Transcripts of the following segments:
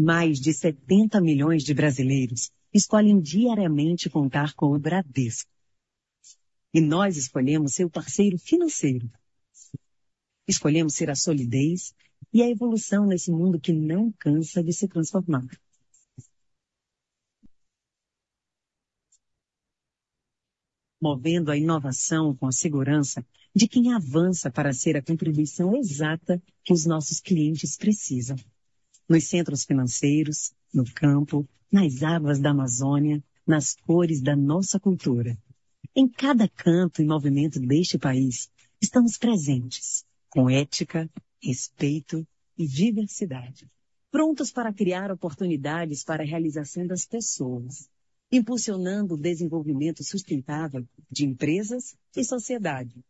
Mais de 70 milhões de brasileiros escolhem diariamente contar com o Bradesco. E nós escolhemos ser o parceiro financeiro. Escolhemos ser a solidez e a evolução nesse mundo que não cansa de se transformar. Movendo a inovação com a segurança de quem avança para ser a contribuição exata que os nossos clientes precisam. Nos centros financeiros, no campo, nas águas da Amazônia, nas cores da nossa cultura, em cada canto e movimento deste país, estamos presentes com ética, respeito e diversidade, prontos para criar oportunidades para a realização das pessoas, impulsionando o desenvolvimento sustentável de empresas e sociedade,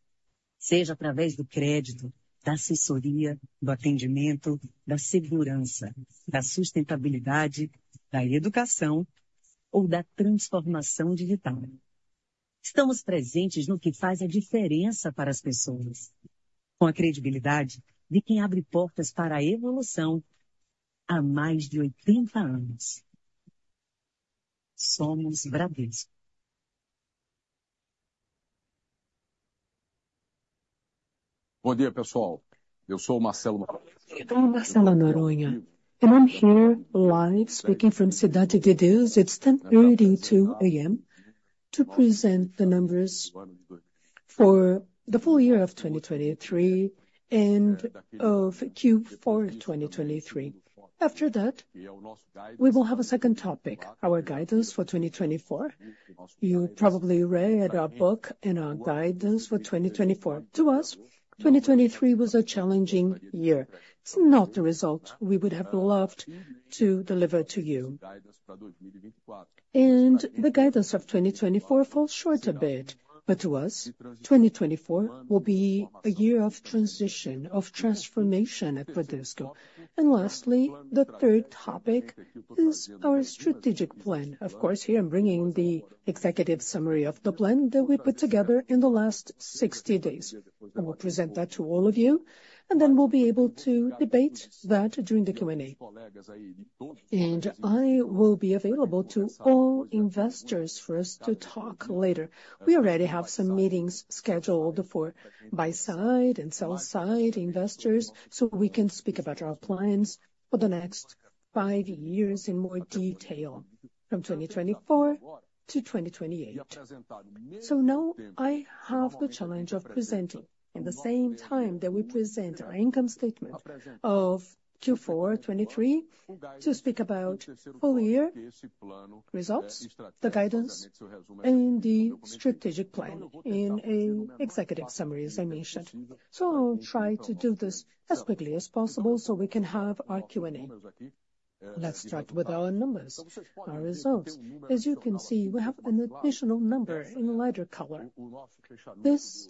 seja através do crédito, da assessoria, do atendimento, da segurança, da sustentabilidade, da educação ou da transformação digital. Estamos presentes no que faz a diferença para as pessoas, com a credibilidade de quem abre portas para a evolução há mais de 80 anos. Somos Bradesco. Bom dia, pessoal! Eu sou o Marcelo Noronha. Eu sou Marcelo Noronha. I'm here live, speaking from Cidade de Deus. It's 10:32 A.M., to present the numbers for the full year of 2023 and of Q4 2023. After that, we will have a second topic, our guidance for 2024. You probably read at our book and our guidance for 2024. To us, 2023 was a challenging year. It's not the result we would have loved to deliver to you. The guidance of 2024 falls short a bit, but to us, 2024 will be a year of transition, of transformation at Bradesco. Lastly, the third topic is our strategic plan. Of course, here I'm bringing the executive summary of the plan that we put together in the last 60 days. I will present that to all of you, and then we'll be able to debate that during the Q&A. I will be available to all investors for us to talk later. We already have some meetings scheduled for buy-side and sell-side investors, so we can speak about our plans for the next five years in more detail, from 2024 to 2028. So now I have the challenge of presenting, in the same time that we present our income statement of Q4 2023, to speak about full year results, the guidance, and the strategic plan in an executive summary, as I mentioned. So I'll try to do this as quickly as possible so we can have our Q&A. Let's start with our numbers, our results. As you can see, we have an additional number in lighter color. This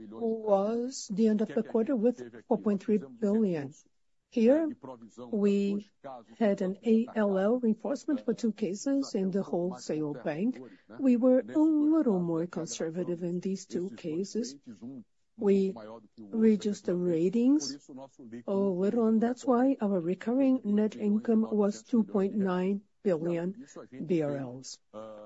was the end of the quarter with 4.3 billion. Here, we had an ALL reinforcement for two cases in the wholesale bank. We were a little more conservative in these two cases. We readjust the ratings a little, and that's why our recurring net income was 2.9 billion BRL.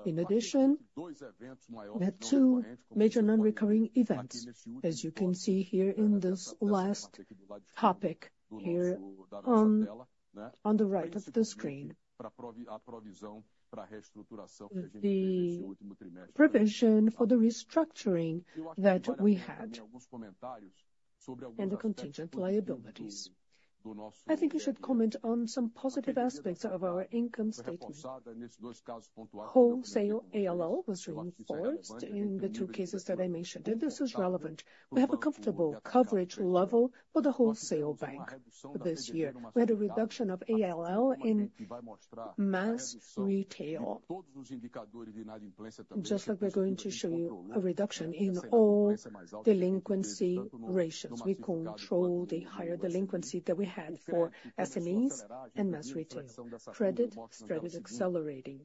In addition, we had two major non-recurring events, as you can see here in this last topic, here on, on the right of the screen. The provision for the restructuring that we had, and the contingent liabilities. I think we should comment on some positive aspects of our income statement. Wholesale ALL was reinforced in the two cases that I mentioned, and this is relevant. We have a comfortable coverage level for the wholesale bank this year. We had a reduction of ALL in mass retail, just like we're going to show you a reduction in all delinquency ratios. We control the higher delinquency that we had for SMEs and mass retail. Credit spread is accelerating.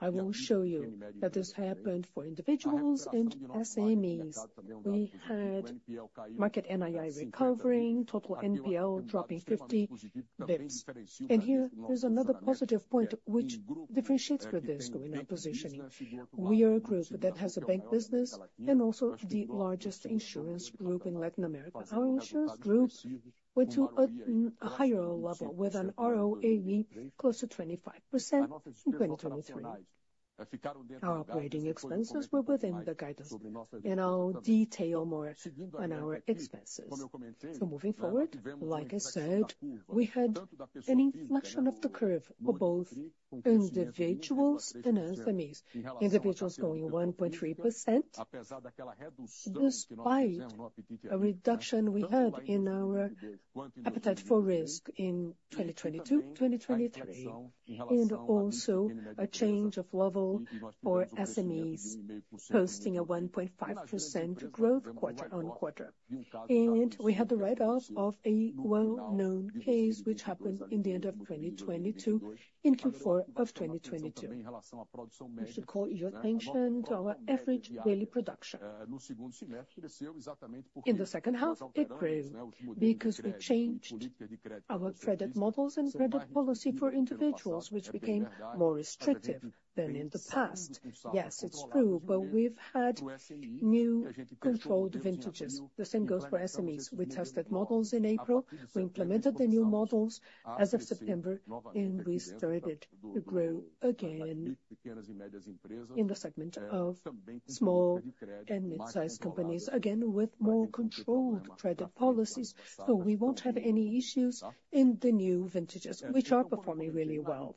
I will show you that this happened for individuals and SMEs. We had market NII recovering, total NPL dropping 50 basis points. And here, there's another positive point which differentiates Bradesco in our positioning. We are a group that has a bank business and also the largest insurance group in Latin America. Our insurance groups went to a, a higher level with an ROAE close to 25% in 2023. Our operating expenses were within the guidance, and I'll detail more on our expenses. So moving forward, like I said, we had an inflection of the curve for both individuals and SMEs. Individuals growing 1.3%, despite a reduction we had in our appetite for risk in 2022, 2023, and also a change of level for SMEs, posting a 1.5% growth quarter-on-quarter. And we had the write-off of a well-known case, which happened in the end of 2022, in Q4 of 2022. We should call your attention to our average daily production. In the second half, it grew because we changed our credit models and credit policy for individuals, which became more restrictive than in the past. Yes, it's true, but we've had new controlled vintages. The same goes for SMEs. We tested models in April. We implemented the new models as of September, and we started to grow again in the segment of small and mid-sized companies, again, with more controlled credit policies. So we won't have any issues in the new vintages, which are performing really well.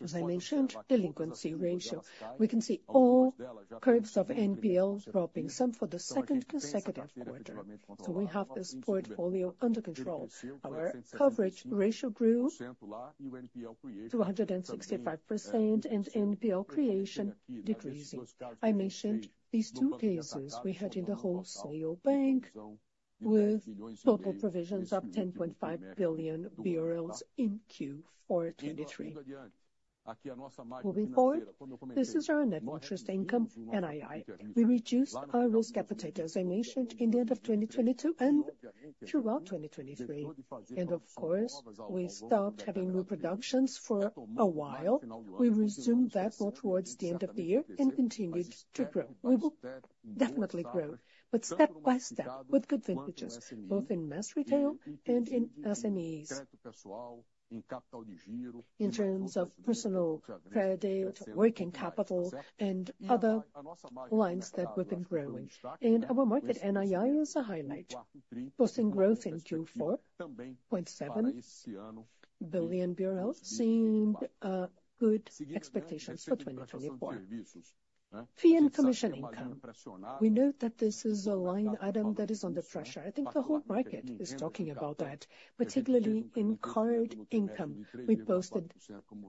As I mentioned, delinquency ratio. We can see all curves of NPL dropping, some for the second consecutive quarter, so we have this portfolio under control. Our coverage ratio grew 265% and NPL creation decreasing. I mentioned these two cases we had in the wholesale bank, with total provisions of BRL 10.5 billion in Q4 2023. Moving forward, this is our net interest income, NII. We reduced our risk appetite, as I mentioned, in the end of 2022 and throughout 2023. And of course, we stopped having new productions for a while. We resumed that more towards the end of the year and continued to grow. We will definitely grow, but step by step, with good vintages, both in mass retail and in SMEs. In terms of personal credit, working capital, and other lines that we've been growing. And our market NII is a highlight, posting growth in Q4, 0.7 billion BRL, seeing good expectations for 2024. Fee and commission income, we note that this is a line item that is under pressure. I think the whole market is talking about that, particularly in card income. We posted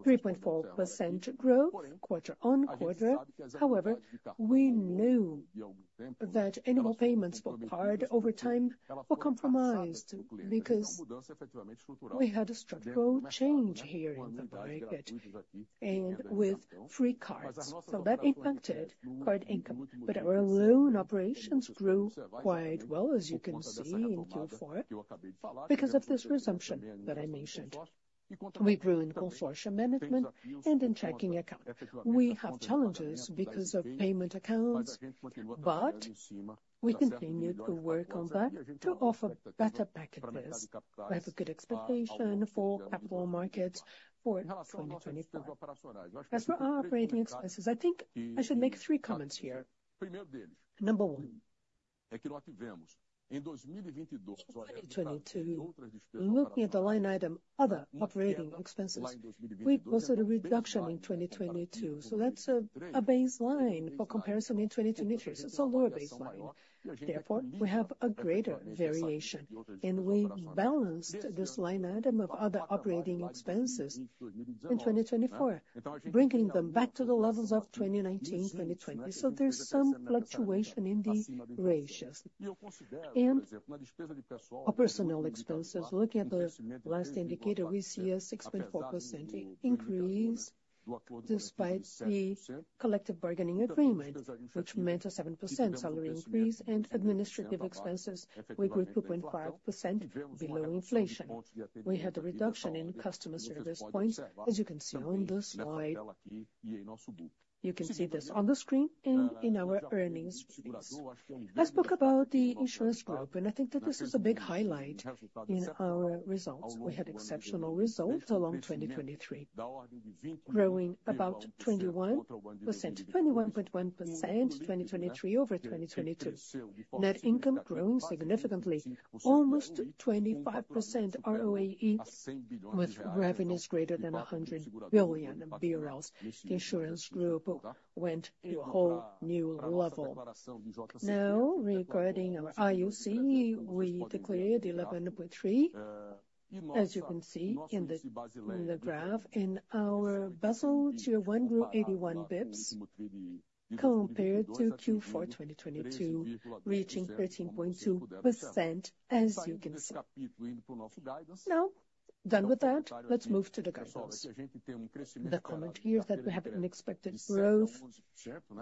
3.4% growth, quarter-on-quarter. However, we knew that annual payments for card over time were compromised, because we had a structural change here in the market and with free cards. So that impacted card income, but our loan operations grew quite well, as you can see in Q4, because of this resumption that I mentioned. We grew in consortium management and in checking account. We have challenges because of payment accounts, but we continued to work on that to offer better packages. We have a good expectation for capital markets for 2025. As for our operating expenses, I think I should make three comments here. Number one, in 2022, looking at the line item, other operating expenses, we posted a reduction in 2022. So that's a baseline for comparison in 2023. So it's a lower baseline. Therefore, we have a greater variation, and we balanced this line item of other operating expenses in 2024, bringing them back to the levels of 2019, 2020. So there's some fluctuation in the ratios. Our personnel expenses, looking at the last indicator, we see a 6.4% increase, despite the collective bargaining agreement, which meant a 7% salary increase, and administrative expenses, we grew 2.5% below inflation. We had a reduction in customer service points, as you can see on this slide. You can see this on the screen and in our earnings release. I spoke about the insurance group, and I think that this is a big highlight in our results. We had exceptional results along 2023, growing about 21%, 21.1%, 2023 over 2022. Net income growing significantly, almost 25% ROAE, with revenues greater than 100 billion BRL. The insurance group went to a whole new level. Now, regarding our IOC, we declared 11.3, as you can see in the graph, and our Basel Tier 1 grew eighty-one basis points compared to Q4 2022, reaching 13.2%, as you can see. Now, done with that, let's move to the guidance. The comment here is that we have an expected growth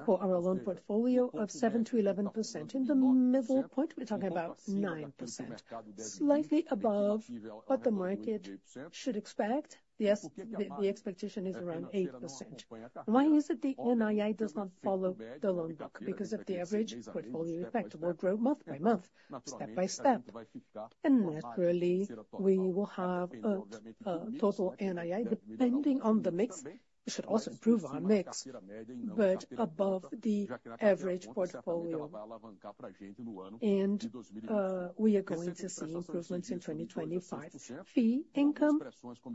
for our loan portfolio of 7%-11%. In the middle point, we're talking about 9%, slightly above what the market should expect. Yes, the expectation is around 8%. Why is it this?... The NII does not follow the loan book, because of the average portfolio effect will grow month by month, step by step. And naturally, we will have a total NII, depending on the mix, we should also improve our mix, but above the average portfolio. And we are going to see improvements in 2025. Fee income,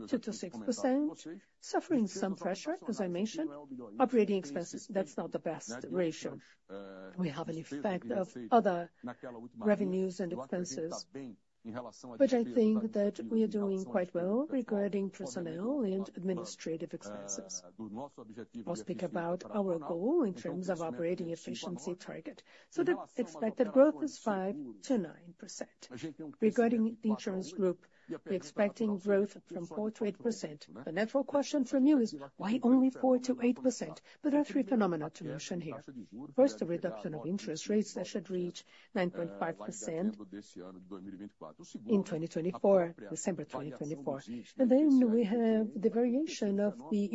2%-6%, suffering some pressure, as I mentioned. Operating expenses, that's not the best ratio. We have an effect of other revenues and expenses, but I think that we are doing quite well regarding personnel and administrative expenses. We'll speak about our goal in terms of operating efficiency target, so the expected growth is 5%-9%. Regarding the insurance group, we're expecting growth from 4%-8%. The natural question from you is: why only 4%-8%? But there are three phenomena to mention here. First, the reduction of interest rates that should reach 9.5% in 2024, December 2024. Then we have the variation of the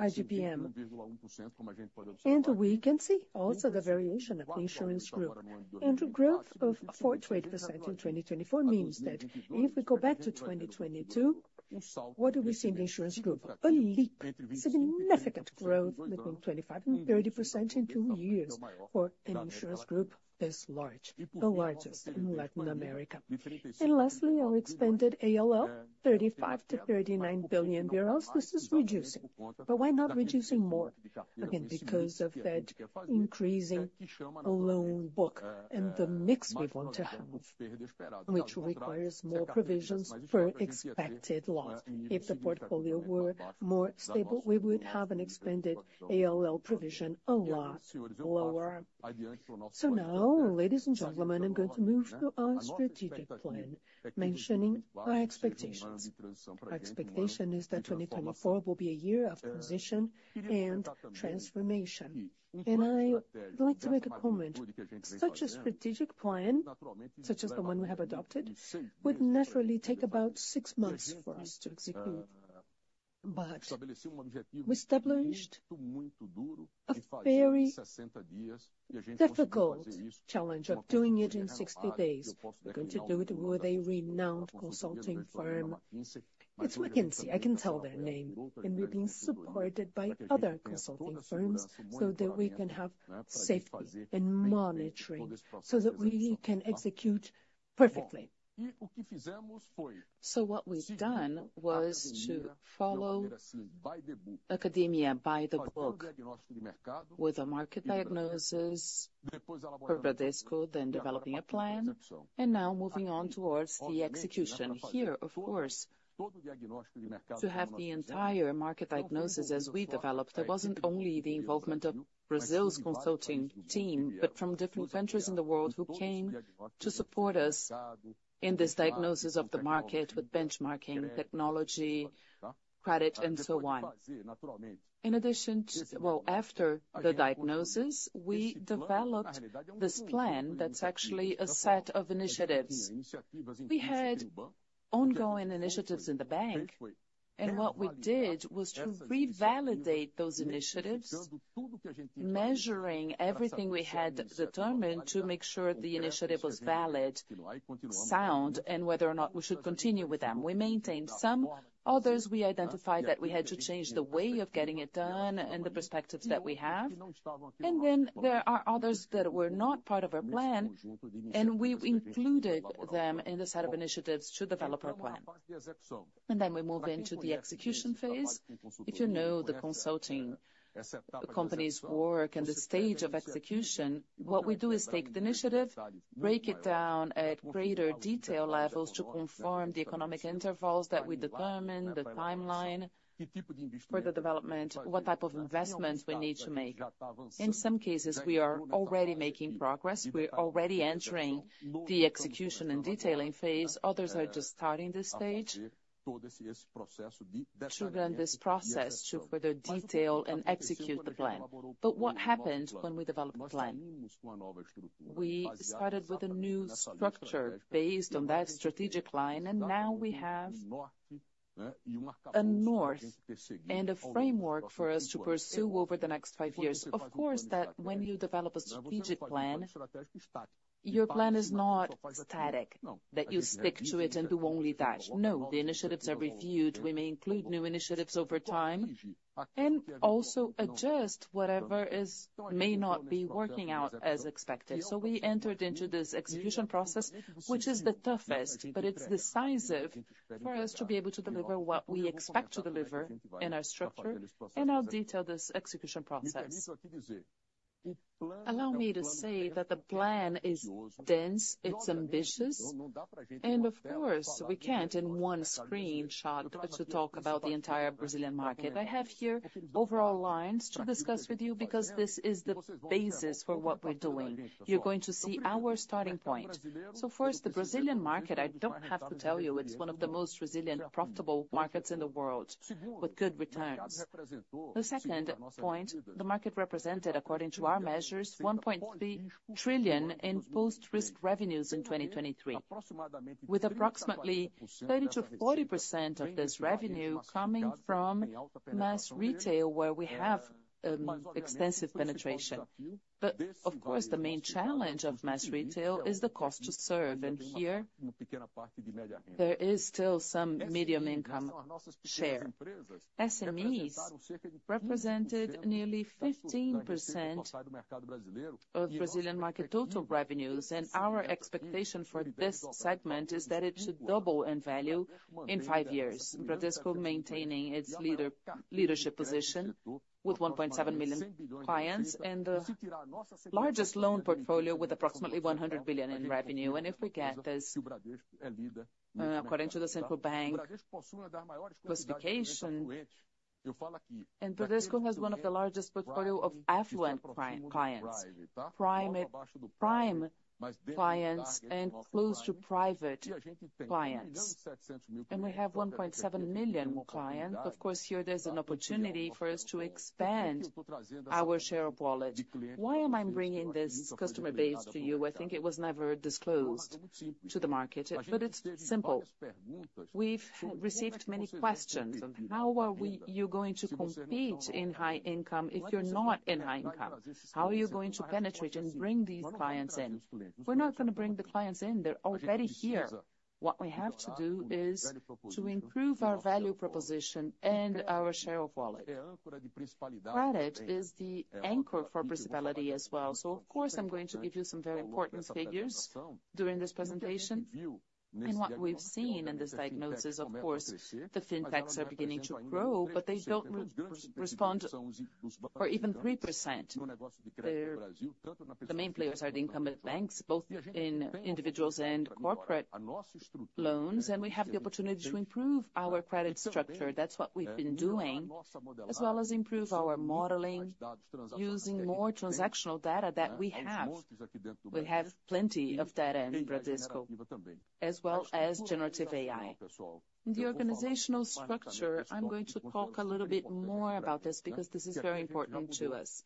IGP-M. And we can see also the variation of the insurance group. And the growth of 4%-8% in 2024 means that if we go back to 2022, what do we see in the insurance group? A leap, significant growth between 25% and 30% in two years for an insurance group this large, the largest in Latin America. And lastly, our expanded ALL, BRL 35 billion-BRL 39 billion. This is reducing. But why not reducing more? Again, because of that increasing loan book and the mix we want to have, which requires more provisions for expected loss. If the portfolio were more stable, we would have an expanded ALL provision a lot lower. So now, ladies and gentlemen, I'm going to move to our strategic plan, mentioning our expectations. Our expectation is that 2024 will be a year of transition and transformation. I would like to make a comment, such a strategic plan, such as the one we have adopted, would naturally take about 6 months for us to execute. But we established a very difficult challenge of doing it in 60 days. We're going to do it with a renowned consulting firm, which we can see, I can tell their name, and we're being supported by other consulting firms so that we can have safety and monitoring, so that we can execute perfectly. What we've done was to follow academia by the book, with a market diagnosis for Bradesco, then developing a plan, and now moving on towards the execution. Here, of course, to have the entire market diagnosis as we developed, there wasn't only the involvement of Brazil's consulting team, but from different countries in the world who came to support us in this diagnosis of the market with benchmarking, technology, credit, and so on. In addition to. Well, after the diagnosis, we developed this plan that's actually a set of initiatives. We had ongoing initiatives in the bank, and what we did was to revalidate those initiatives, measuring everything we had determined to make sure the initiative was valid, sound, and whether or not we should continue with them. We maintained some, others we identified that we had to change the way of getting it done and the perspectives that we have. There are others that were not part of our plan, and we included them in the set of initiatives to develop our plan. We move into the execution phase. If you know the consulting, the company's work and the stage of execution, what we do is take the initiative, break it down at greater detail levels to confirm the economic intervals that we determine, the timeline for the development, what type of investments we need to make. In some cases, we are already making progress. We're already entering the execution and detailing phase. Others are just starting this stage to run this process to further detail and execute the plan. But what happened when we developed the plan? We started with a new structure based on that strategic line, and now we have a north and a framework for us to pursue over the next five years. Of course, that when you develop a strategic plan, your plan is not static, that you stick to it and do only that. No, the initiatives are reviewed. We may include new initiatives over time and also adjust whatever is, may not be working out as expected. So we entered into this execution process, which is the toughest, but it's decisive for us to be able to deliver what we expect to deliver in our structure and I'll detail this execution process.... Allow me to say that the plan is dense, it's ambitious, and of course, we can't in one screenshot to talk about the entire Brazilian market. I have here overall lines to discuss with you, because this is the basis for what we're doing. You're going to see our starting point. First, the Brazilian market, I don't have to tell you, it's one of the most resilient, profitable markets in the world, with good returns. The second point, the market represented, according to our measures, 1.3 trillion in post-risk revenues in 2023, with approximately 30%-40% of this revenue coming from mass retail, where we have extensive penetration. But of course, the main challenge of mass retail is the cost to serve, and here, there is still some medium income share. SMEs represented nearly 15% of Brazilian market total revenues, and our expectation for this segment is that it should double in value in five years. Bradesco maintaining its leadership position with 1.7 million clients, and the largest loan portfolio with approximately 100 billion in revenue. If we get this, according to the Central Bank classification, and Bradesco has one of the largest portfolio of affluent clients, prime clients, and close to private clients. We have 1.7 million more clients. Of course, here there's an opportunity for us to expand our share of wallet. Why am I bringing this customer base to you? I think it was never disclosed to the market, but it's simple. We've received many questions of: How are we going to compete in high income if you're not in high income? How are you going to penetrate and bring these clients in? We're not gonna bring the clients in, they're already here. What we have to do is to improve our value proposition and our share of wallet. Credit is the anchor for principality as well. So of course, I'm going to give you some very important figures during this presentation. What we've seen in this diagnosis, of course, the fintechs are beginning to grow, but they don't represent for even 3%. The main players are the incumbent banks, both in individuals and corporate loans, and we have the opportunity to improve our credit structure. That's what we've been doing, as well as improve our modeling, using more transactional data that we have. We have plenty of data in Bradesco, as well as generative AI. The organizational structure, I'm going to talk a little bit more about this, because this is very important to us.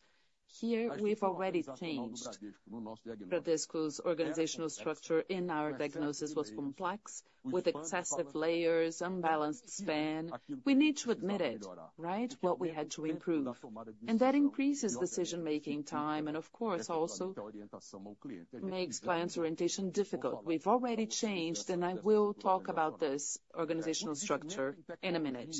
Here, we've already changed Bradesco's organizational structure, and our diagnosis was complex, with excessive layers, unbalanced span. We need to admit it, right? What we had to improve. That increases decision-making time, and of course, also makes clients' orientation difficult. We've already changed, and I will talk about this organizational structure in a minute.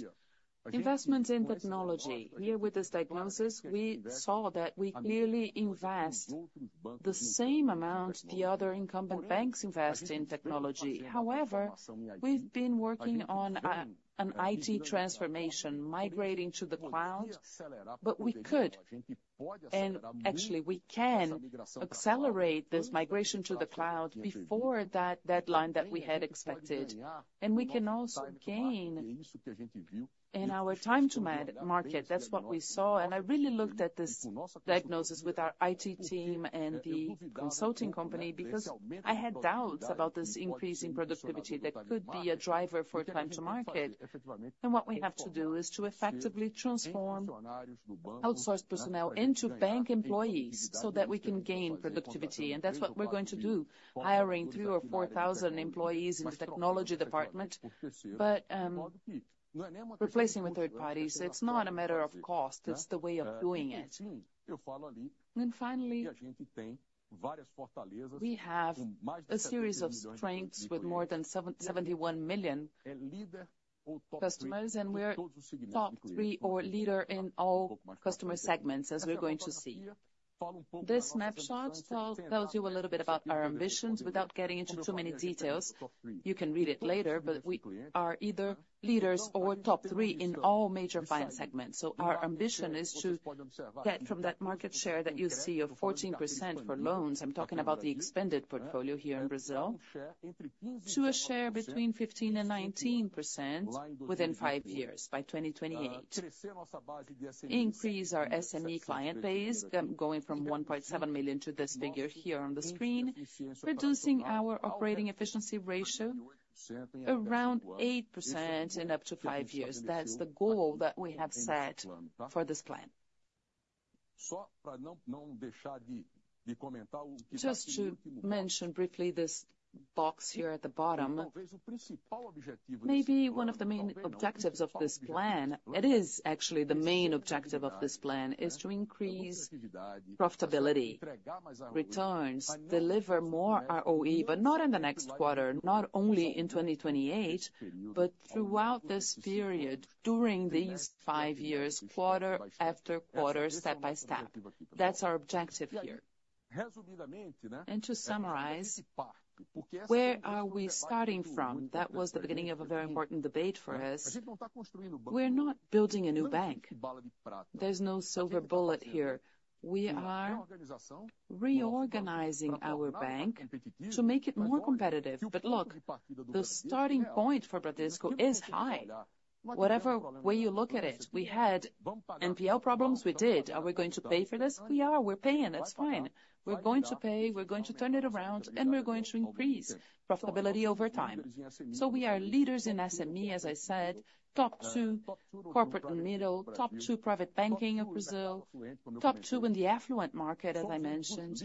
Investments in technology. Here, with this diagnosis, we saw that we clearly invest the same amount the other incumbent banks invest in technology. However, we've been working on an IT transformation, migrating to the cloud, but we could, and actually we can accelerate this migration to the cloud before that deadline that we had expected. We can also gain in our time to market. That's what we saw, and I really looked at this diagnosis with our IT team and the consulting company, because I had doubts about this increase in productivity that could be a driver for time to market. What we have to do is to effectively transform outsourced personnel into bank employees, so that we can gain productivity. That's what we're going to do, hiring 3 or 4 thousand employees in the technology department. But replacing with third parties, it's not a matter of cost, it's the way of doing it. Finally, we have a series of strengths with more than 77 million customers, and we're top three or leader in all customer segments, as we're going to see. This snapshot tells you a little bit about our ambitions, without getting into too many details. You can read it later, but we are either leaders or top three in all major client segments. So our ambition is to get from that market share that you see of 14% for loans, I'm talking about the expanded portfolio here in Brazil, to a share between 15% and 19% within 5 years, by 2028. Increase our SME client base, going from 1.7 million to this figure here on the screen, reducing our operating efficiency ratio around 8% and up to 5 years. That's the goal that we have set for this plan. Just to mention briefly this box here at the bottom, maybe one of the main objectives of this plan, it is actually the main objective of this plan, is to increase profitability, returns, deliver more ROE, but not in the next quarter, not only in 2028, but throughout this period, during these five years, quarter after quarter, step by step. That's our objective here. To summarize, where are we starting from? That was the beginning of a very important debate for us. We're not building a new bank. There's no silver bullet here. We are reorganizing our bank to make it more competitive. But look, the starting point for Bradesco is high. Whatever way you look at it, we had NPL problems. We did. Are we going to pay for this? We are. We're paying, that's fine. We're going to pay, we're going to turn it around, and we're going to increase profitability over time. So we are leaders in SME, as I said, top two corporate and middle, top two private banking in Brazil, top two in the affluent market, as I mentioned.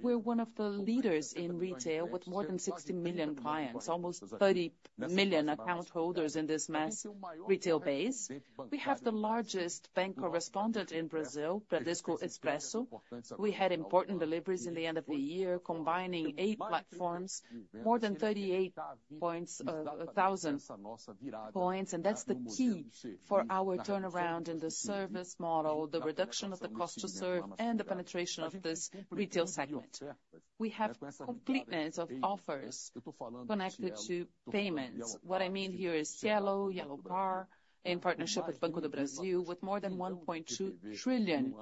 We're one of the leaders in retail, with more than 60 million clients, almost 30 million account holders in this mass retail base. We have the largest bank correspondent in Brazil, Bradesco Expresso. We had important deliveries in the end of the year, combining eight platforms, more than 38 thousand points, and that's the key for our turnaround in the service model, the reduction of the cost to serve, and the penetration of this retail segment. We have completeness of offers connected to payments. What I mean here is Cielo, Elopar, in partnership with Banco do Brasil, with more than 1.2 trillion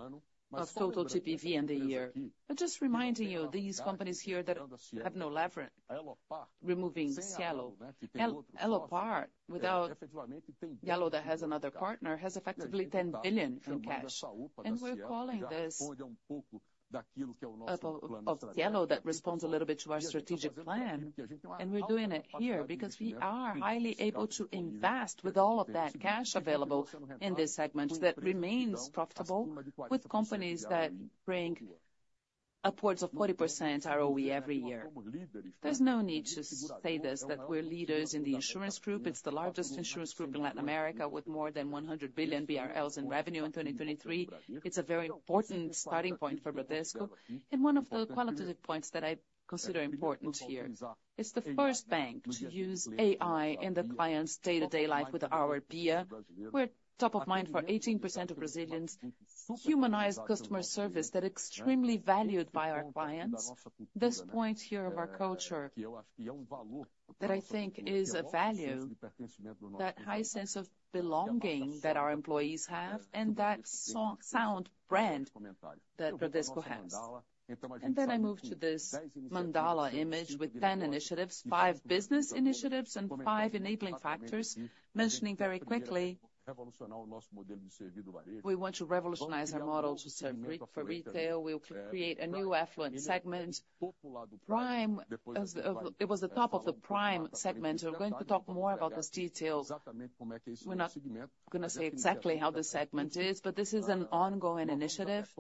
of total TPV in the year. I'm just reminding you, these companies here that have no leverage. Removing Cielo, Elopar, without Elopar that has another partner, has effectively 10 billion in cash. And we're calling this offer of Cielo, that responds a little bit to our strategic plan, and we're doing it here because we are highly able to invest with all of that cash available in these segments, that remains profitable with companies that bring upwards of 40% ROE every year. There's no need to say this, that we're leaders in the insurance group. It's the largest insurance group in Latin America, with more than 100 billion BRL in revenue in 2023. It's a very important starting point for Bradesco, and one of the qualitative points that I consider important here. It's the first bank to use AI in the client's day-to-day life with our BIA. We're top of mind for 18% of Brazilians. Humanized customer service that extremely valued by our clients. This point here of our culture, that I think is a value, that high sense of belonging that our employees have, and that sound brand that Bradesco has. Then I move to this mandala image with 10 initiatives, five business initiatives and five enabling factors. Mentioning very quickly, we want to revolutionize our model to serve for retail. We'll create a new affluent segment. Prime, as of it was the top of the Prime segment. We're going to talk more about those details. We're not gonna say exactly how this segment is, but this is an ongoing initiative.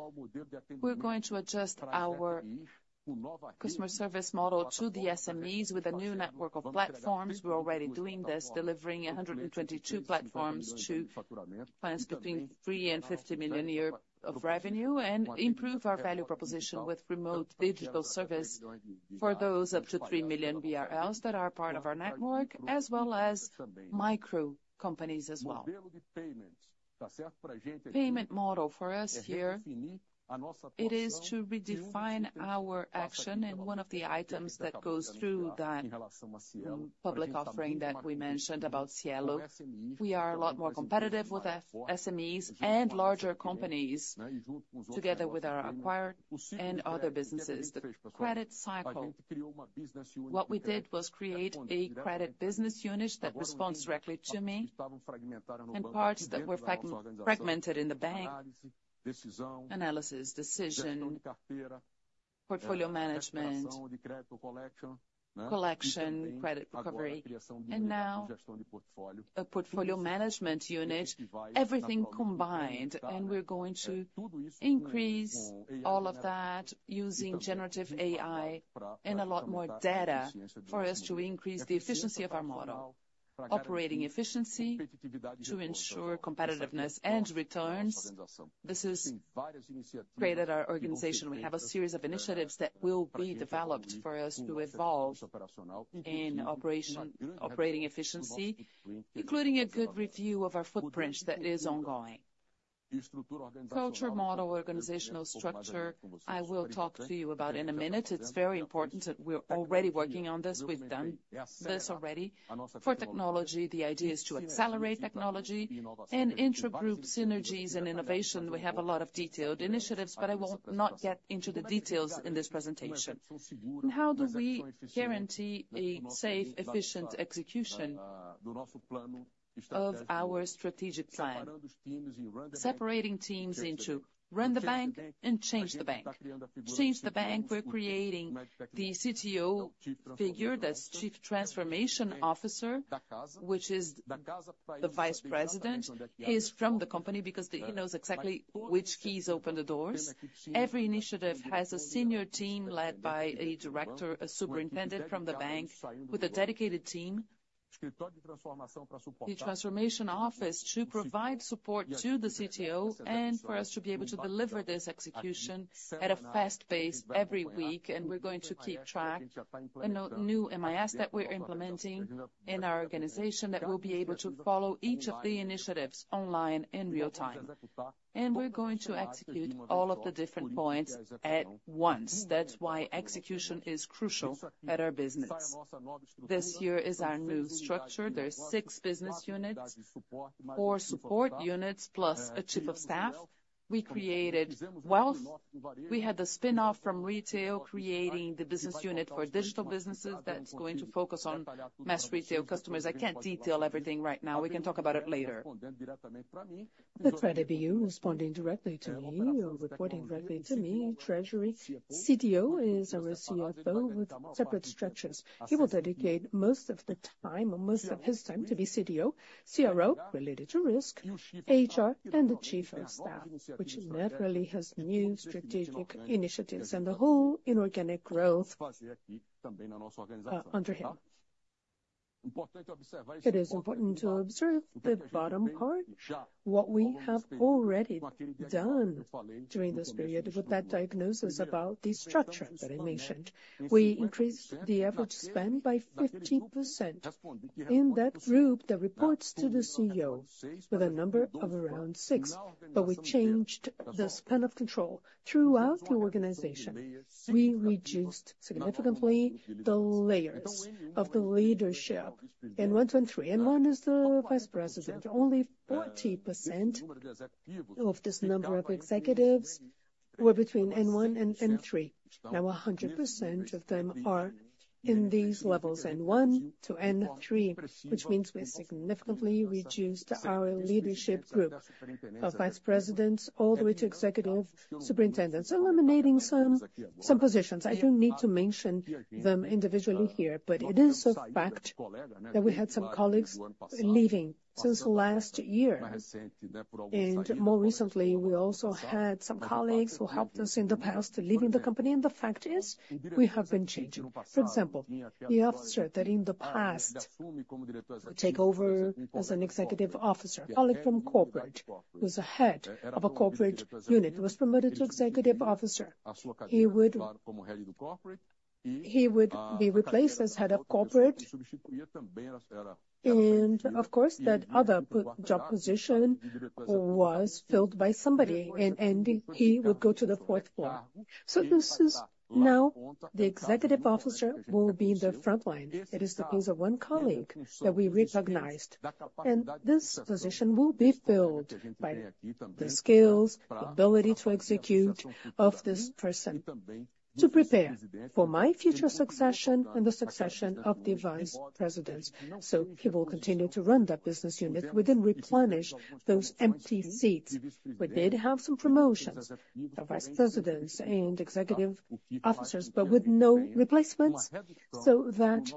We're going to adjust our customer service model to the SMEs with a new network of platforms. We're already doing this, delivering 122 platforms to clients between 3 million and BRL 50 million a year of revenue, and improve our value proposition with remote digital service for those up to 3 million BRL that are part of our network, as well as micro companies as well. Payment model for us here, it is to redefine our action, and one of the items that goes through that, public offering that we mentioned about Cielo. We are a lot more competitive with F- SMEs and larger companies, together with our acquirers and other businesses. The credit cycle. What we did was create a credit business unit that responds directly to me, and parts that were fragmented in the bank, analysis, decision, portfolio management, collection, credit recovery, and now a portfolio management unit. Everything combined, and we're going to increase all of that using generative AI and a lot more data for us to increase the efficiency of our model. Operating efficiency to ensure competitiveness and returns. This has created our organization. We have a series of initiatives that will be developed for us to evolve in operation, operating efficiency, including a good review of our footprint that is ongoing. Culture, model, organizational structure, I will talk to you about in a minute. It's very important that we're already working on this. We've done this already. For technology, the idea is to accelerate technology, and intragroup synergies and innovation, we have a lot of detailed initiatives, but I won't get into the details in this presentation. How do we guarantee a safe, efficient execution of our strategic plan? Separating teams into Run the Bank and Change the Bank. Change the Bank, we're creating the CTO figure, that's Chief Transformation Officer, which is the vice president, is from the company because he knows exactly which keys open the doors. Every initiative has a senior team led by a director, a superintendent from the bank, with a dedicated team- ... the transformation office to provide support to the CTO, and for us to be able to deliver this execution at a fast pace every week. We're going to keep track in a new MIS that we're implementing in our organization, that will be able to follow each of the initiatives online in real time. We're going to execute all of the different points at once. That's why execution is crucial at our business. This here is our new structure. There's six business units, four support units, plus a chief of staff. We created wealth. We had the spin-off from retail, creating the business unit for digital businesses that's going to focus on mass retail customers. I can't detail everything right now. We can talk about it later. The credit BU responding directly to me or reporting directly to me, treasury. CTO is our CFO with separate structures. He will dedicate most of the time, or most of his time, to be CTO, CRO related to risk, HR, and the chief of staff, which naturally has new strategic initiatives and the whole inorganic growth under him. It is important to observe the bottom part, what we have already done during this period with that diagnosis about the structure that I mentioned. We increased the average spend by 15%. In that group, that reports to the CEO, with a number of around six, but we changed the span of control. Throughout the organization, we reduced significantly the layers of the leadership. N1, 2, and 3. N1 is the vice president. Only 40% of this number of executives were between N1 and N3. Now, 100% of them are in these levels, N1 to N3, which means we significantly reduced our leadership group of vice presidents all the way to executive superintendents, eliminating some, some positions. I don't need to mention them individually here, but it is a fact that we had some colleagues leaving since last year. More recently, we also had some colleagues who helped us in the past, leaving the company. The fact is, we have been changing. For example, the officer that in the past would take over as an executive officer, a colleague from corporate, who's a head of a corporate unit, was promoted to executive officer. He would, he would be replaced as head of corporate. Of course, that other job position was filled by somebody, and he would go to the fourth floor. So, this is now the executive officer will be in the front line. It is the case of one colleague that we recognized, and this position will be filled by the skills, ability to execute of this person, to prepare for my future succession and the succession of the vice presidents. So he will continue to run that business unit. We didn't replenish those empty seats. We did have some promotions of vice presidents and executive officers, but with no replacements, so that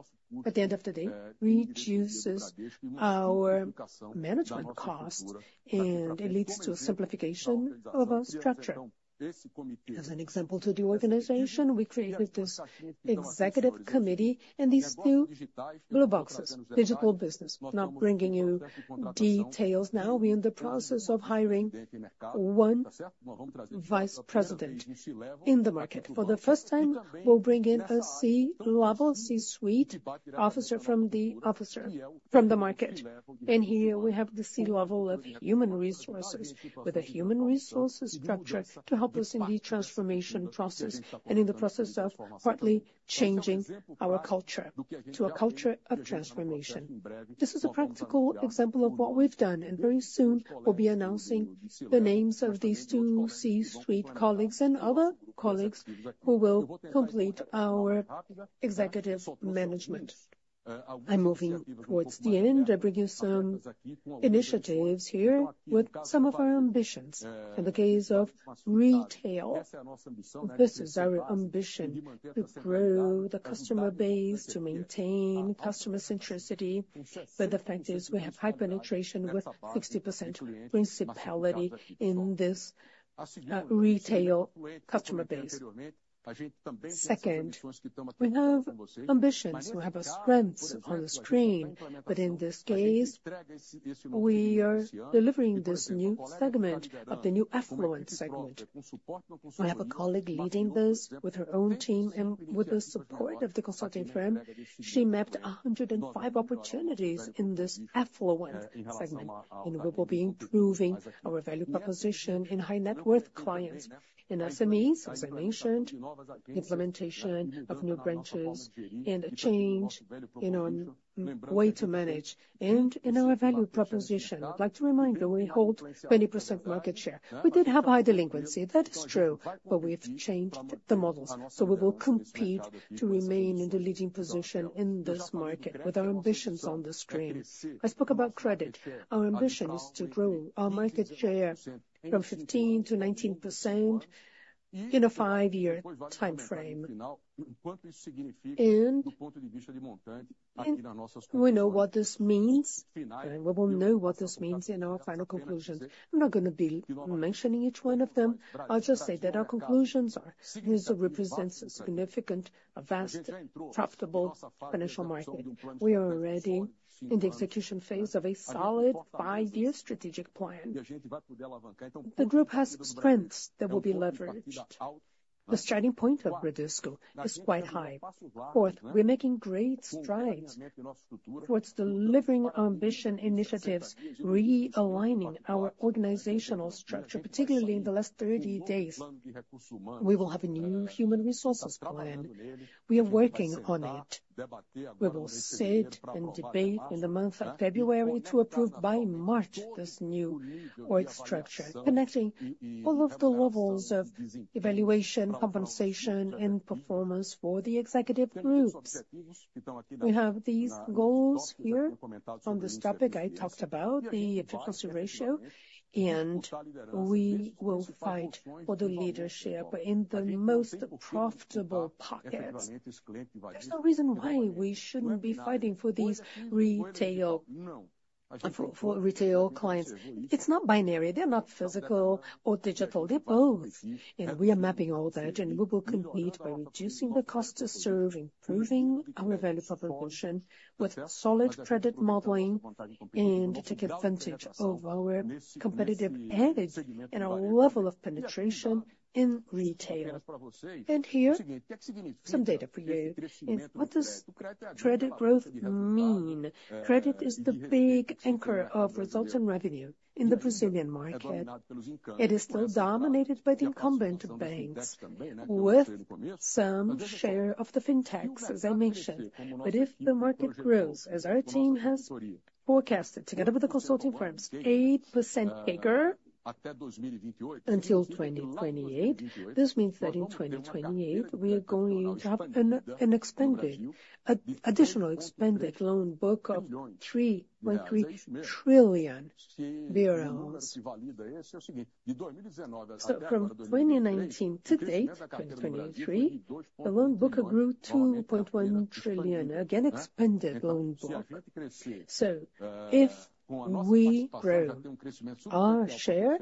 at the end of the day, reduces our management cost, and it leads to a simplification of our structure. As an example to the organization, we created this executive committee and these two blue boxes, digital business. We're not bringing you details now. We're in the process of hiring one vice president in the market. For the first time, we'll bring in a C-level, C-suite officer from the market. Here, we have the C-level of human resources, with a human resources structure to help us in the transformation process and in the process of partly changing our culture to a culture of transformation. This is a practical example of what we've done, and very soon, we'll be announcing the names of these two C-suite colleagues and other colleagues who will complete our executive management. I'm moving towards the end. I bring you some initiatives here with some of our ambitions. In the case of retail, this is our ambition: to grow the customer base, to maintain customer centricity, but the fact is we have high penetration with 60% principality in this, retail customer base. Second, we have ambitions. We have our strengths on the screen, but in this case, we are delivering this new segment of the new affluent segment. I have a colleague leading this with her own team and with the support of the consulting firm. She mapped 105 opportunities in this affluent segment, and we will be improving our value proposition in high-net-worth clients. In SMEs, as I mentioned, implementation of new branches and a change in our way to manage and in our value proposition. I'd like to remind you, we hold 20% market share. We did have high delinquency, that is true, but we have changed the models, so we will compete to remain in the leading position in this market with our ambitions on the screen. I spoke about credit. Our ambition is to grow our market share from 15%-19% in a five-year timeframe. We know what this means, and we will know what this means in our final conclusions. I'm not gonna be mentioning each one of them. I'll just say that our conclusions are, this represents a significant, a vast, profitable financial market. We are already in the execution phase of a solid five-year strategic plan. The group has strengths that will be leveraged. The starting point of Bradesco is quite high. Fourth, we're making great strides towards delivering our ambition initiatives, realigning our organizational structure, particularly in the last 30 days. We will have a new human resources plan. We are working on it. We will sit and debate in the month of February to approve by March, this new work structure, connecting all of the levels of evaluation, compensation, and performance for the executive groups. We have these goals here on this topic. I talked about the efficiency ratio, and we will fight for the leadership in the most profitable pockets. There's no reason why we shouldn't be fighting for these retail. And for retail clients, it's not binary, they're not physical or digital, they're both. And we are mapping all that, and we will compete by reducing the cost to serve, improving our value proposition with solid credit modeling, and take advantage of our competitive edge and our level of penetration in retail. And here, some data for you. And what does credit growth mean? Credit is the big anchor of results and revenue in the Brazilian market. It is still dominated by the incumbent banks, with some share of the fintechs, as I mentioned. But if the market grows, as our team has forecasted, together with the consulting firms, 8% bigger until 2028, this means that in 2028, we are going to have an additional expanded loan book of BRL 3.3 trillion. So from 2019 to date, 2023, the loan book grew 2.1 trillion, again, expanded loan book. So if we grow our share,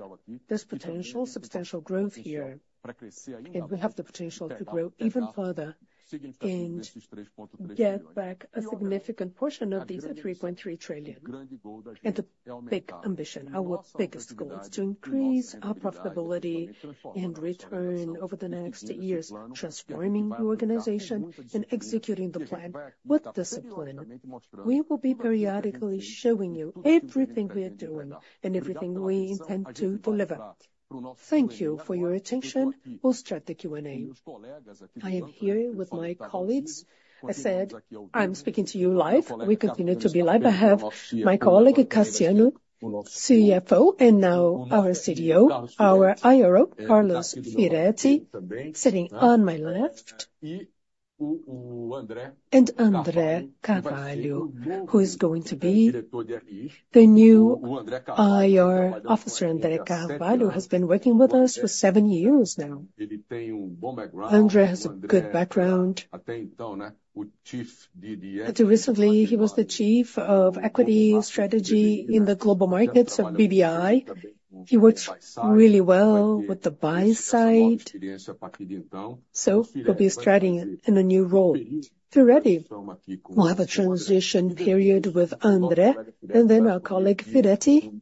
there's potential, substantial growth here, and we have the potential to grow even further and get back a significant portion of these 3.3 trillion. The big ambition, our biggest goal, is to increase our profitability and return over the next years, transforming the organization and executing the plan with discipline. We will be periodically showing you everything we are doing and everything we intend to deliver. Thank you for your attention. We'll start the Q&A. I am here with my colleagues. I said I'm speaking to you live. We continue to be live. I have my colleague, Cassiano, CFO, and now our CDO, our IRO, Carlos Firetti, sitting on my left. And André Carvalho, who is going to be the new IR officer. André Carvalho has been working with us for seven years now. André has a good background. Until recently, he was the Chief of Equity Strategy in the global markets of BBI. He works really well with the buy side, so he'll be starting in a new role. Firetti will have a transition period with André, and then our colleague, Firetti,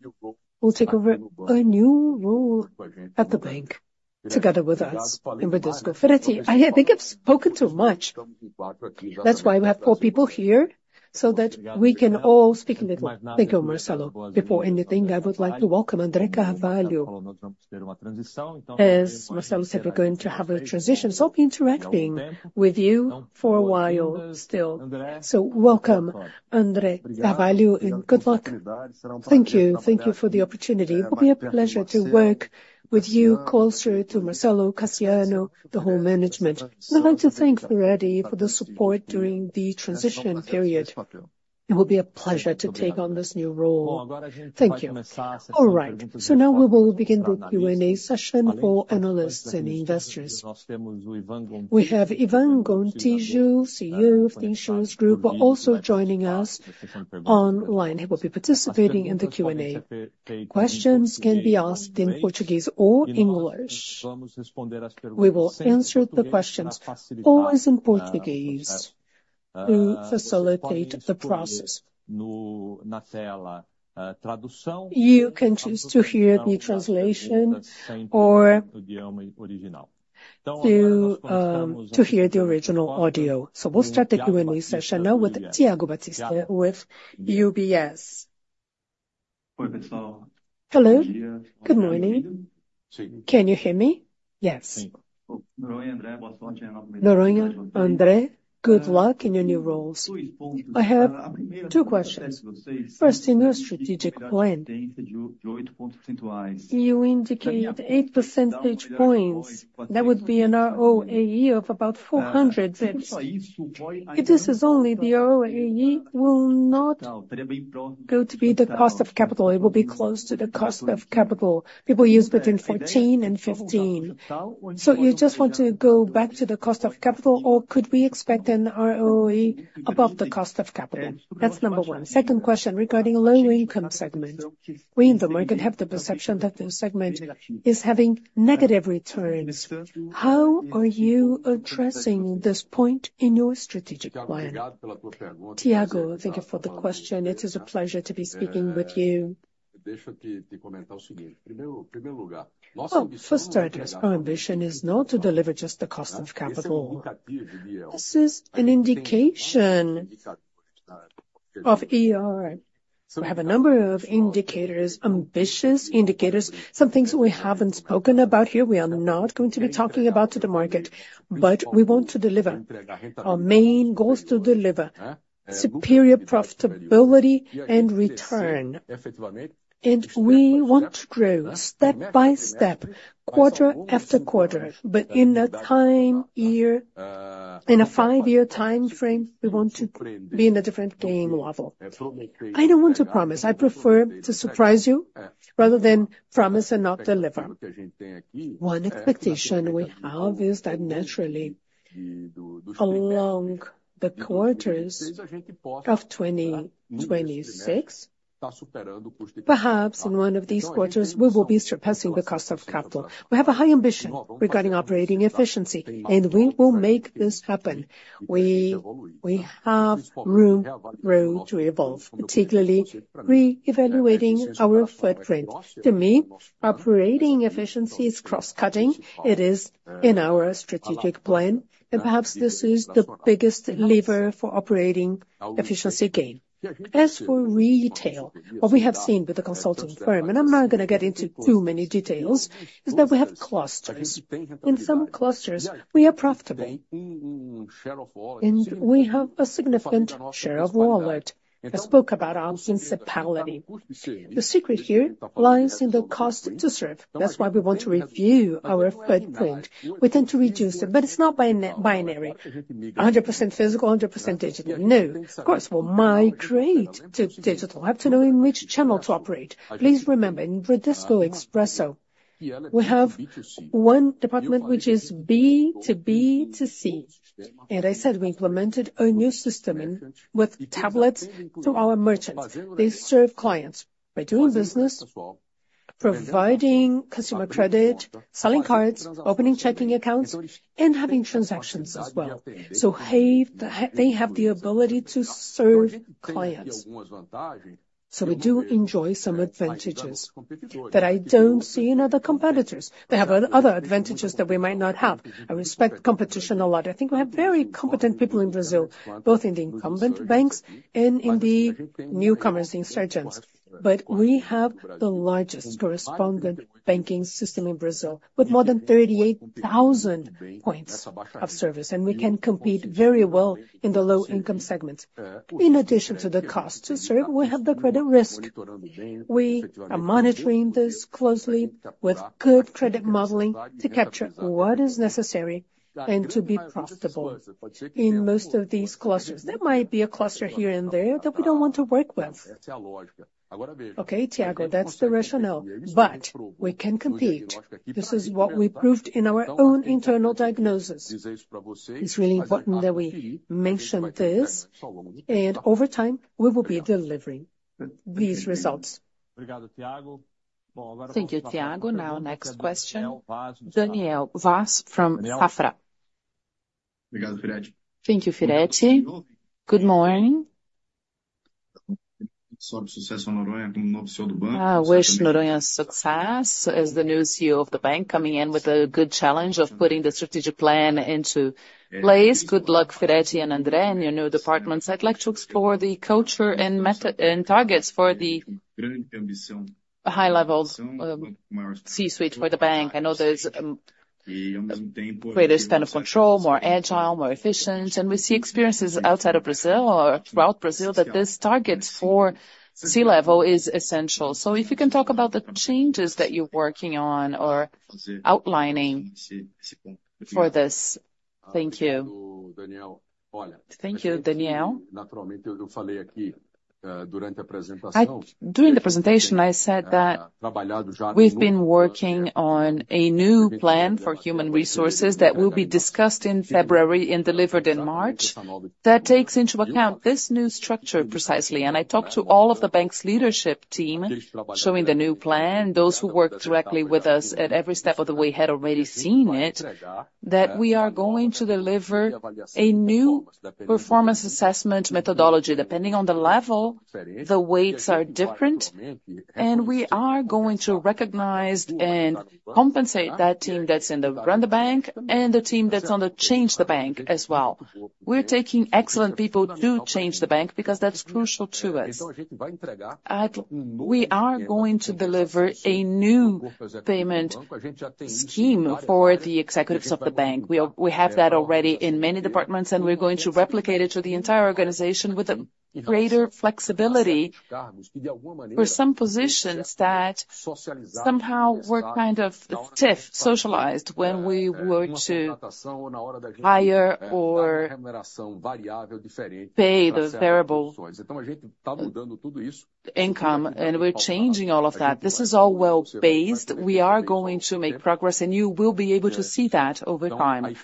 will take over a new role at the bank together with us, and with us. So Firetti, I think I've spoken too much. That's why we have four people here, so that we can all speak a little. Thank you, Marcelo. Before anything, I would like to welcome André Carvalho. As Marcelo said, we're going to have a transition, so I'll be interacting with you for a while still. Welcome, André Carvalho, and good luck. Thank you. Thank you for the opportunity. It will be a pleasure to work with you closer to Marcelo, Cassiano, the whole management. I'd like to thank Firetti for the support during the transition period. It will be a pleasure to take on this new role. Thank you. All right, now we will begin the Q&A session for analysts and investors. We have Ivan Gontijo, CEO of the Insurance Group, also joining us online. He will be participating in the Q&A. Questions can be asked in Portuguese or English. We will answer the questions always in Portuguese to facilitate the process. You can choose to hear the translation or to, to hear the original audio. So we'll start the Q&A session now with Tiago Batista, with UBS. Hello, good morning. Can you hear me? Yes. André, good luck in your new roles. I have two questions. First, in your strategic plan, you indicated 8 percentage points. That would be an ROAE of about 400 basis points. If this is only the ROAE will not go to be the cost of capital, it will be close to the cost of capital. People use between 14 and 15. So you just want to go back to the cost of capital, or could we expect an ROAE above the cost of capital? That's number one. Second question, regarding low-income segment. We in the market have the perception that the segment is having negative returns. How are you addressing this point in your strategic plan? Tiago, thank you for the question. It is a pleasure to be speaking with you. Well, for starters, our ambition is not to deliver just the cost of capital. This is an indication of ER. So we have a number of indicators, ambitious indicators, some things we haven't spoken about here, we are not going to be talking about to the market, but we want to deliver. Our main goal is to deliver superior profitability and return, and we want to grow step by step, quarter after quarter. But in a time year, in a five-year time frame, we want to be in a different playing level. I don't want to promise. I prefer to surprise you rather than promise and not deliver. One expectation we have is that naturally, a long-... the quarters of 2026, perhaps in one of these quarters, we will be surpassing the cost of capital. We have a high ambition regarding operating efficiency, and we will make this happen. We, we have room, room to evolve, particularly re-evaluating our footprint. To me, operating efficiency is cross-cutting. It is in our strategic plan, and perhaps this is the biggest lever for operating efficiency gain. As for retail, what we have seen with the consulting firm, and I'm not gonna get into too many details, is that we have clusters. In some clusters, we are profitable, and we have a significant share of wallet. I spoke about our seasonality. The secret here lies in the cost to serve. That's why we want to review our footprint. We tend to reduce it, but it's not binary. 100% physical, 100% digital. No. Of course, we'll migrate to digital. I have to know in which channel to operate. Please remember, in Bradesco Expresso, we have one department which is B to B to C, and I said we implemented a new system with tablets to our merchants. They serve clients by doing business, providing customer credit, selling cards, opening checking accounts, and having transactions as well. So they, they have the ability to serve clients. So we do enjoy some advantages that I don't see in other competitors. They have other, other advantages that we might not have. I respect competition a lot. I think we have very competent people in Brazil, both in the incumbent banks and in the newcomers, the insurgents. But we have the largest correspondent banking system in Brazil, with more than 38,000 points of service, and we can compete very well in the low-income segment. In addition to the cost to serve, we have the credit risk. We are monitoring this closely with good credit modeling to capture what is necessary and to be profitable in most of these clusters. There might be a cluster here and there that we don't want to work with. Okay, Tiago, that's the rationale, but we can compete. This is what we proved in our own internal diagnosis. It's really important that we mention this, and over time, we will be delivering these results. Thank you, Tiago. Now, next question, Daniel Vaz from Safra. Thank you, Firetti. Good morning. I wish Noronha success as the new CEO of the bank, coming in with a good challenge of putting the strategic plan into place. Good luck, Firetti and André, in your new departments. I'd like to explore the culture and method- and targets for the high levels, C-suite for the bank. I know there's greater standard of control, more agile, more efficient, and we see experiences outside of Brazil or throughout Brazil, that this target for C-level is essential. So if you can talk about the changes that you're working on or outlining for this. Thank you. Thank you, Daniel. During the presentation, I said that we've been working on a new plan for human resources that will be discussed in February and delivered in March. That takes into account this new structure, precisely. I talked to all of the bank's leadership team, showing the new plan. Those who worked directly with us at every step of the way had already seen it, that we are going to deliver a new performance assessment methodology. Depending on the level, the weights are different, and we are going to recognize and compensate that team that's in the Run the Bank and the team that's on the Change the Bank as well. We're taking excellent people to Change the Bank because that's crucial to us. We are going to deliver a new payment scheme for the executives of the bank. We have that already in many departments, and we're going to replicate it to the entire organization with a greater flexibility. For some positions that somehow were kind of stiff, socialized when we were to hire or pay the variable income, and we're changing all of that. This is all well-based. We are going to make progress, and you will be able to see that over time.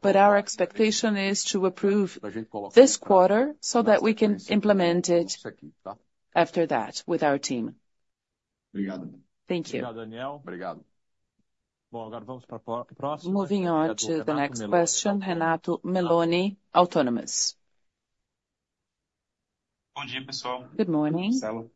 But our expectation is to approve this quarter so that we can implement it after that with our team. Thank you. Moving on to the next question, Renato Milani, Autonomous Research. Good morning.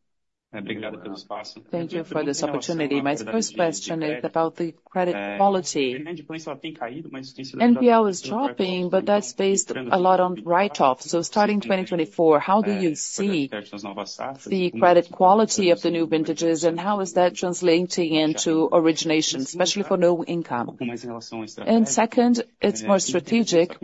Thank you for this opportunity. My first question is about the credit quality. NPL is dropping, but that's based a lot on write-off. So starting 2024, how do you see the credit quality of the new vintages, and how is that translating into origination, especially for low income? And second, it's more strategic.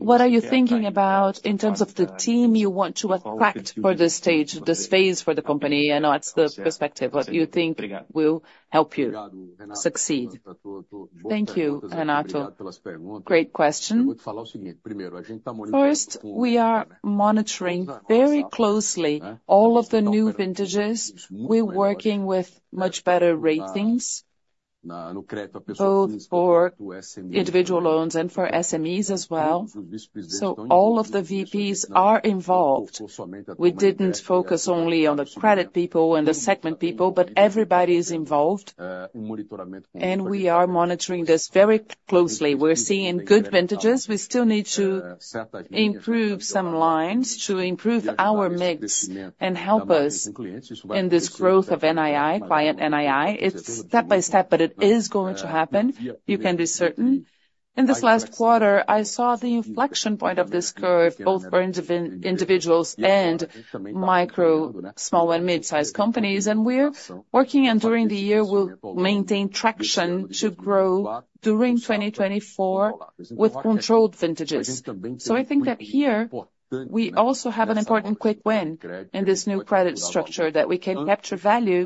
What are you thinking about in terms of the team you want to attract for this stage, this phase for the company? I know it's the perspective, what you think will help you succeed. Thank you, Renato. Great question. First, we are monitoring very closely all of the new vintages. We're working with much better ratings.... both for individual loans and for SMEs as well. All of the VPs are involved. We didn't focus only on the credit people and the segment people, but everybody is involved, and we are monitoring this very closely. We're seeing good vintages. We still need to improve some lines to improve our mix and help us in this growth of NII, client NII. It's step by step, but it is going to happen, you can be certain. In this last quarter, I saw the inflection point of this curve, both for individuals and micro, small, and mid-sized companies, and we're working, and during the year, we'll maintain traction to grow during 2024 with controlled vintages. So I think that here, we also have an important quick win in this new credit structure, that we can capture value,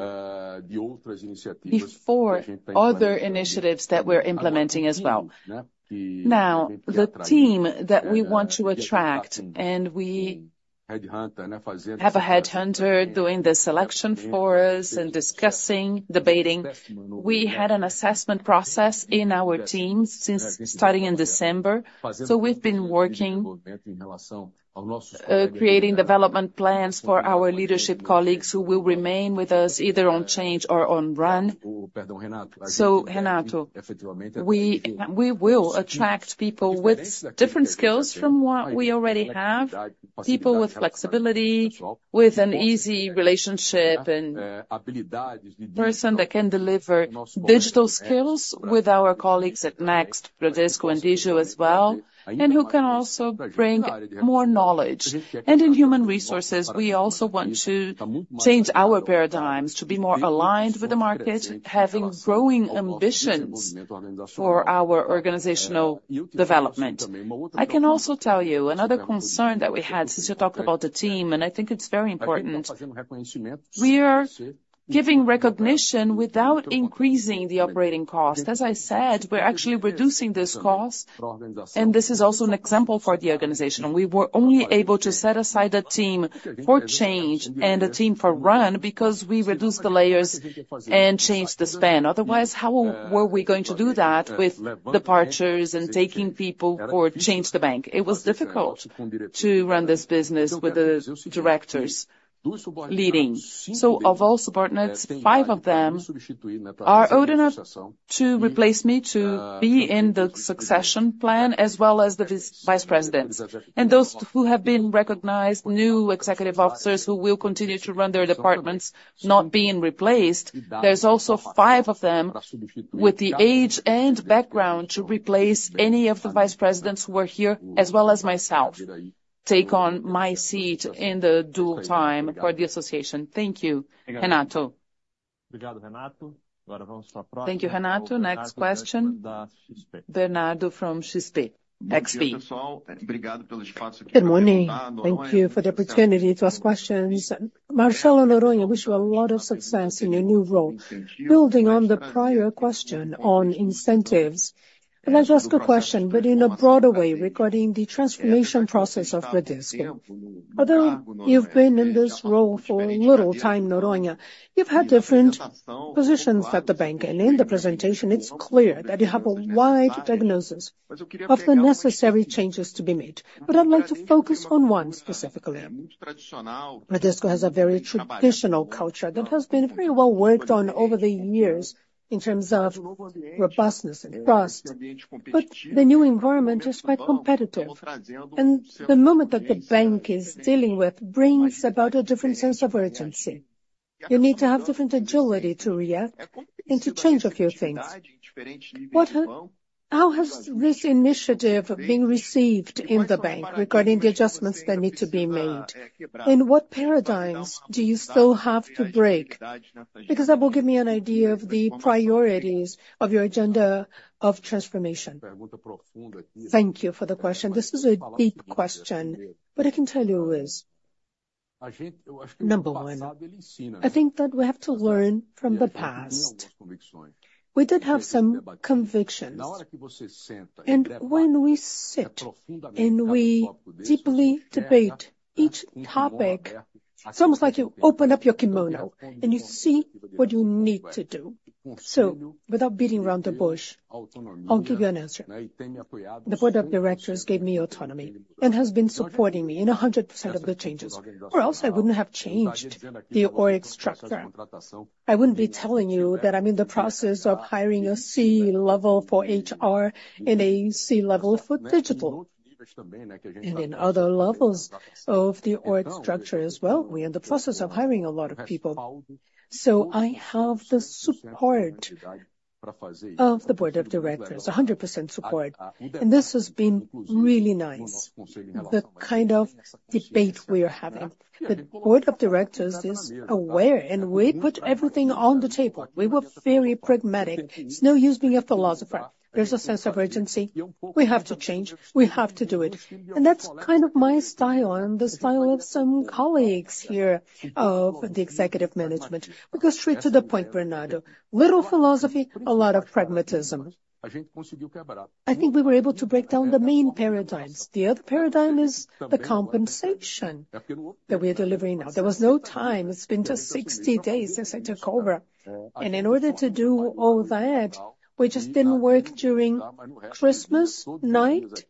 before other initiatives that we're implementing as well. Now, the team that we want to attract, and we have a headhunter doing the selection for us and discussing, debating. We had an assessment process in our teams since starting in December, so we've been working, creating development plans for our leadership colleagues who will remain with us, either on Change or on Run. So Renato, we, we will attract people with different skills from what we already have, people with flexibility, with an easy relationship, and person that can deliver digital skills with our colleagues at Next, Bradesco, and Digio as well, and who can also bring more knowledge. In Human Resources, we also want to change our paradigms to be more aligned with the market, having growing ambitions for our organizational development. I can also tell you another concern that we had, since you talked about the team, and I think it's very important. We are giving recognition without increasing the operating cost. As I said, we're actually reducing this cost, and this is also an example for the organization. We were only able to set aside a team for Change and a team for Run because we reduced the layers and changed the span. Otherwise, how were we going to do that with departures and taking people for Change the Bank? It was difficult to run this business with the directors leading. So of all subordinates, five of them are old enough to replace me, to be in the succession plan, as well as the vice presidents. And those who have been recognized, new executive officers who will continue to run their departments, not being replaced, there's also five of them with the age and background to replace any of the vice presidents who are here, as well as myself, take on my seat in the due time for the association. Thank you. Renato? Thank you, Renato. Next question, Bernardo from XP, XP. Good morning. Thank you for the opportunity to ask questions. Marcelo Noronha, I wish you a lot of success in your new role. Building on the prior question on incentives, can I just ask a question, but in a broader way, regarding the transformation process of Bradesco? Although you've been in this role for a little time, Noronha, you've had different positions at the bank, and in the presentation, it's clear that you have a wide diagnosis of the necessary changes to be made. But I'd like to focus on one specifically. Bradesco has a very traditional culture that has been very well worked on over the years in terms of robustness and trust, but the new environment is quite competitive, and the moment that the bank is dealing with brings about a different sense of urgency. You need to have different agility to react and to change a few things. How has this initiative been received in the bank regarding the adjustments that need to be made? What paradigms do you still have to break? Because that will give me an idea of the priorities of your agenda of transformation. Thank you for the question. This is a big question, but I can tell you is, number one, I think that we have to learn from the past. We did have some convictions, and when we sit and we deeply debate each topic, it's almost like you open up your kimono, and you see what you need to do. So without beating around the bush, I'll give you an answer. The board of directors gave me autonomy and has been supporting me in 100% of the changes, or else I wouldn't have changed the org structure. I wouldn't be telling you that I'm in the process of hiring a C-level for HR and a C-level for digital, and in other levels of the org structure as well. We're in the process of hiring a lot of people. So I have the support-... of the board of directors, 100% support. And this has been really nice, the kind of debate we are having. The board of directors is aware, and we put everything on the table. We were very pragmatic. It's no use being a philosopher. There's a sense of urgency. We have to change. We have to do it. And that's kind of my style and the style of some colleagues here of the executive management. We go straight to the point, Bernardo. Little philosophy, a lot of pragmatism. I think we were able to break down the main paradigms. The other paradigm is the compensation that we are delivering now. There was no time. It's been just 60 days since I took over, and in order to do all that, we just didn't work during Christmas night,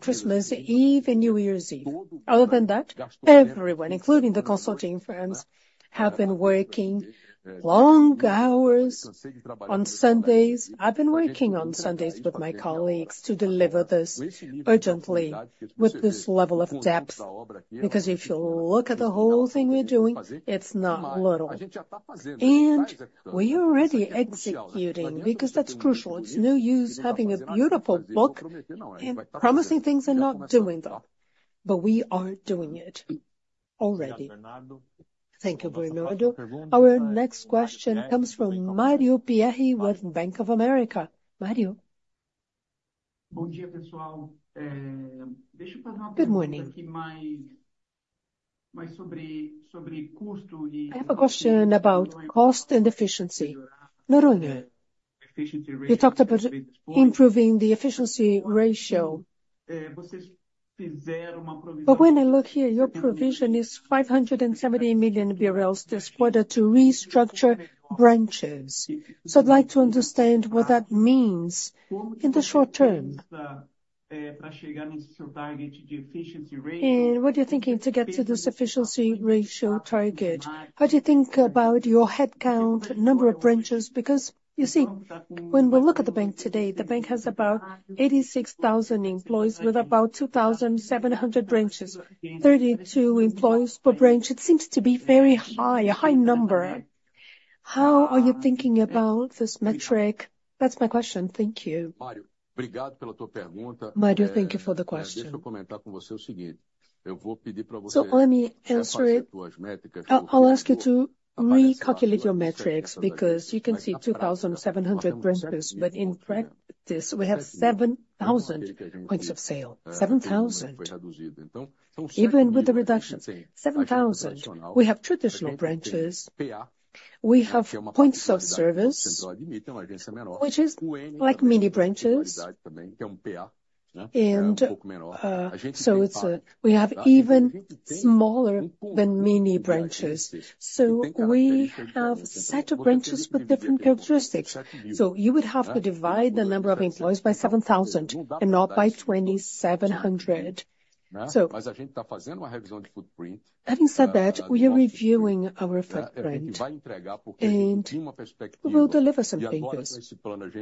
Christmas Eve, and New Year's Eve. Other than that, everyone, including the consulting firms, have been working long hours on Sundays. I've been working on Sundays with my colleagues to deliver this urgently, with this level of depth, because if you look at the whole thing we're doing, it's not little. We're already executing, because that's crucial. It's no use having a beautiful book and promising things and not doing them. We are doing it already. Thank you very much, Bernardo. Our next question comes from Mario Pierri with Bank of America. Mario? Good morning. I have a question about cost and efficiency. Noronha, you talked about improving the efficiency ratio. But when I look here, your provision is 570 million this quarter to restructure branches. So I'd like to understand what that means in the short term. What are you thinking to get to this efficiency ratio target? How do you think about your headcount, number of branches? Because, you see, when we look at the bank today, the bank has about 86,000 employees with about 2,700 branches, 32 employees per branch. It seems to be very high, a high number. How are you thinking about this metric? That's my question. Thank you. Mario, thank you for the question. Let me answer it. I'll ask you to recalculate your metrics, because you can see 2,700 branches, but in practice, we have 7,000 points of sale. 7,000. Even with the reduction, 7,000. We have traditional branches, we have points of service, which is like mini branches, and, so it's, we have even smaller than mini branches. So we have a set of branches with different characteristics. So you would have to divide the number of employees by 7,000 and not by 2,700. So, having said that, we are reviewing our footprint, and we will deliver some things.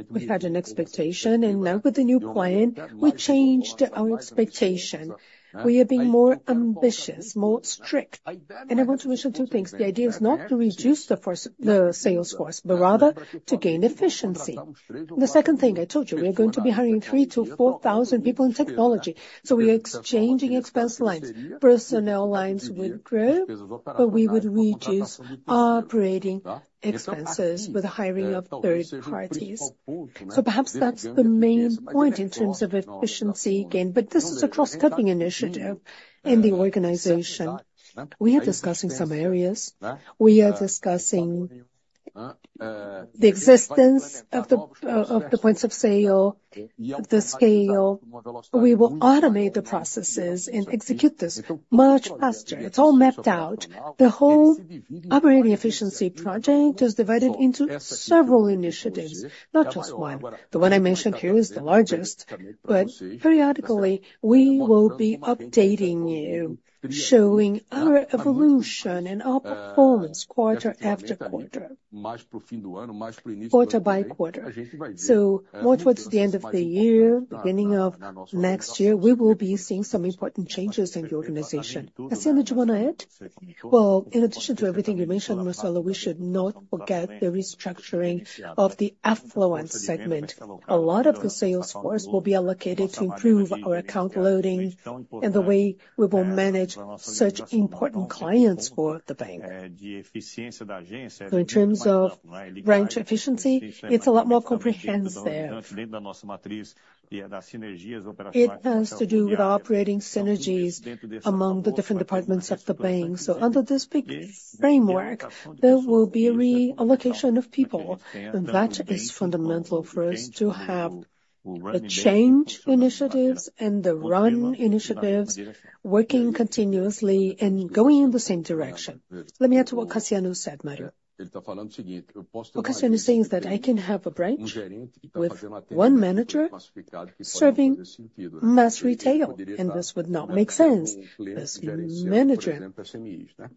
We've had an expectation, and now with the new plan, we changed our expectation. We are being more ambitious, more strict. And I want to mention two things: The idea is not to reduce the force, the sales force, but rather to gain efficiency. The second thing I told you, we are going to be hiring 3,000-4,000 people in technology, so we are exchanging expense lines. Personnel lines will grow, but we would reduce our operating expenses with the hiring of third parties. So perhaps that's the main point in terms of efficiency gain, but this is a cross-cutting initiative in the organization. We are discussing some areas. We are discussing the existence of the points of sale, the scale. We will automate the processes and execute this much faster. It's all mapped out. The whole operating efficiency project is divided into several initiatives, not just one. The one I mentioned here is the largest, but periodically, we will be updating you, showing our evolution and our performance quarter after quarter. Quarter by quarter. So more towards the end of the year, beginning of next year, we will be seeing some important changes in the organization. Cassiano, would you want to add? Well, in addition to everything you mentioned, Marcelo, we should not forget the restructuring of the affluent segment. A lot of the sales force will be allocated to improve our account loading and the way we will manage such important clients for the bank. In terms of branch efficiency, it's a lot more comprehensive. It has to do with operating synergies among the different departments of the bank. So under this big framework, there will be a reallocation of people, and that is fundamental for us to have the change initiatives and the run initiatives working continuously and going in the same direction. Let me add to what Cassiano said, Mario. What Cassiano is saying is that I can have a branch with one manager serving mass retail, and this would not make sense, as the manager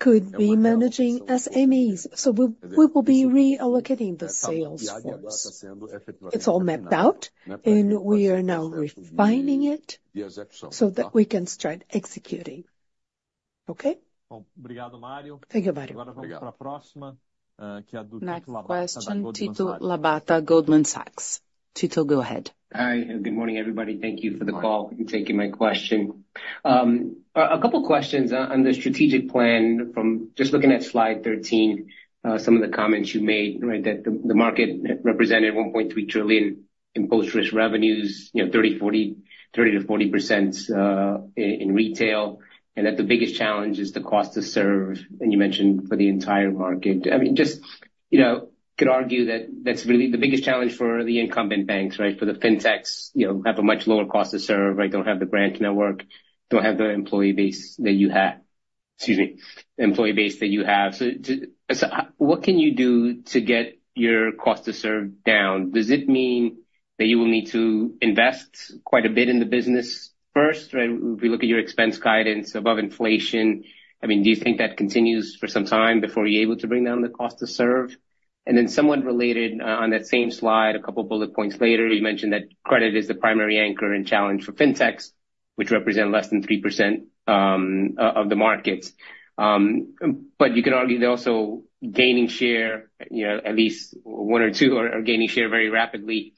could be managing SMEs. So we will be reallocating the sales force. It's all mapped out, and we are now refining it so that we can start executing.... Okay. Thank you, Mario. Thank you, Mario. Next question, Tito Labarta, Goldman Sachs. Tito, go ahead. Hi, good morning, everybody. Thank you for the call and taking my question. A couple questions on the strategic plan from just looking at slide 13, some of the comments you made, right, that the market represented 1.3 trillion in post-risk revenues, you know, 30%-40% in retail, and that the biggest challenge is the cost to serve, and you mentioned for the entire market. I mean, just, you know, could argue that that's really the biggest challenge for the incumbent banks, right? For the Fintechs, you know, have a much lower cost to serve, right, don't have the branch network, don't have the employee base that you have. Excuse me, employee base that you have. So what can you do to get your cost to serve down? Does it mean that you will need to invest quite a bit in the business first? Right, if we look at your expense guidance above inflation, I mean, do you think that continues for some time before you're able to bring down the cost to serve? And then somewhat related, on that same slide, a couple bullet points later, you mentioned that credit is the primary anchor and challenge for Fintechs, which represent less than 3%, of the markets. But you could argue they're also gaining share, you know, at least one or two are gaining share very rapidly.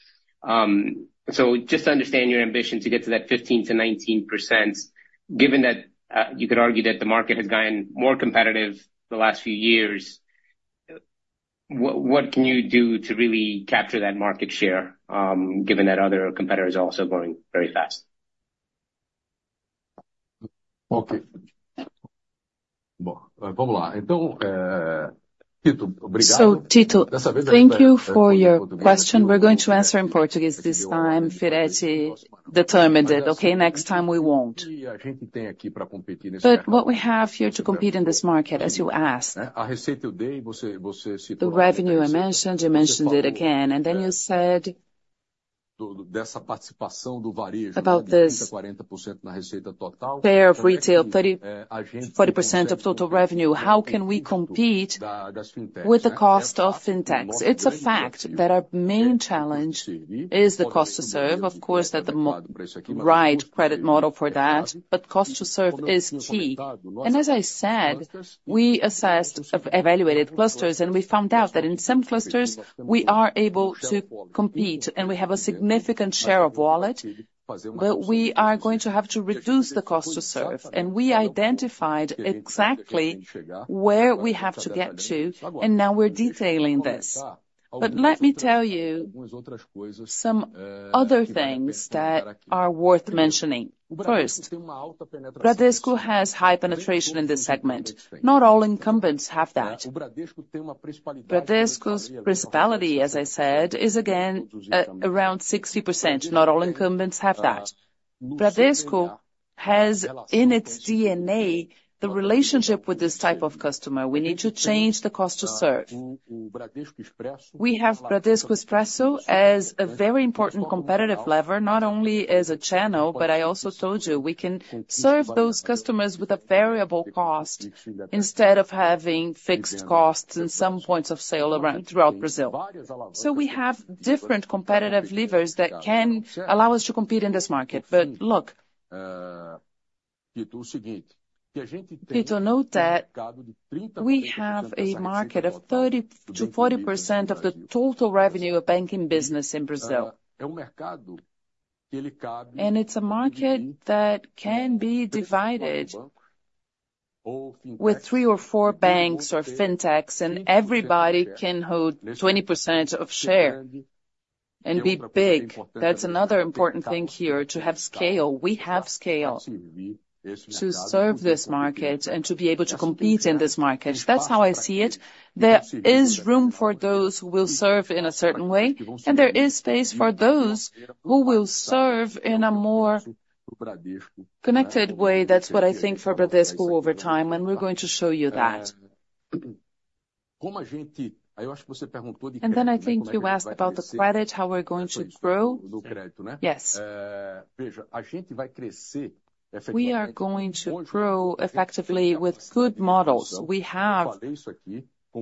So just to understand your ambition to get to that 15%-19%, given that you could argue that the market has gotten more competitive the last few years, what can you do to really capture that market share, given that other competitors are also growing very fast? Okay. So Tito, thank you for your question. We're going to answer in Portuguese this time. Firetti determined it, okay? Next time, we won't. But what we have here to compete in this market, as you ask, the revenue I mentioned, you mentioned it again, and then you said... About this part of retail, 30%-40% of total revenue, how can we compete with the cost of fintechs? It's a fact that our main challenge is the cost to serve. Of course, that the right credit model for that, but cost to serve is key. And as I said, we assessed, have evaluated clusters, and we found out that in some clusters we are able to compete, and we have a significant share of wallet, but we are going to have to reduce the cost to serve. We identified exactly where we have to get to, and now we're detailing this. But let me tell you some other things that are worth mentioning. First, Bradesco has high penetration in this segment. Not all incumbents have that. Bradesco's principal activity, as I said, is again around 60%. Not all incumbents have that. Bradesco has, in its DNA, the relationship with this type of customer. We need to change the Cost to Serve. We have Bradesco Expresso as a very important competitive lever, not only as a channel, but I also told you, we can serve those customers with a variable cost instead of having fixed costs in some points of sale throughout Brazil. So we have different competitive levers that can allow us to compete in this market. But look, Tito, note that we have a market of 30%-40% of the total revenue of banking business in Brazil. And it's a market that can be divided with three or four banks or fintechs, and everybody can hold 20% of share and be big. That's another important thing here, to have scale. We have scale to serve this market and to be able to compete in this market. That's how I see it. There is room for those who will serve in a certain way, and there is space for those who will serve in a more connected way. That's what I think for Bradesco over time, and we're going to show you that. And then I think you asked about the credit, how we're going to grow. Yes. Yes. We are going to grow effectively with good models. We have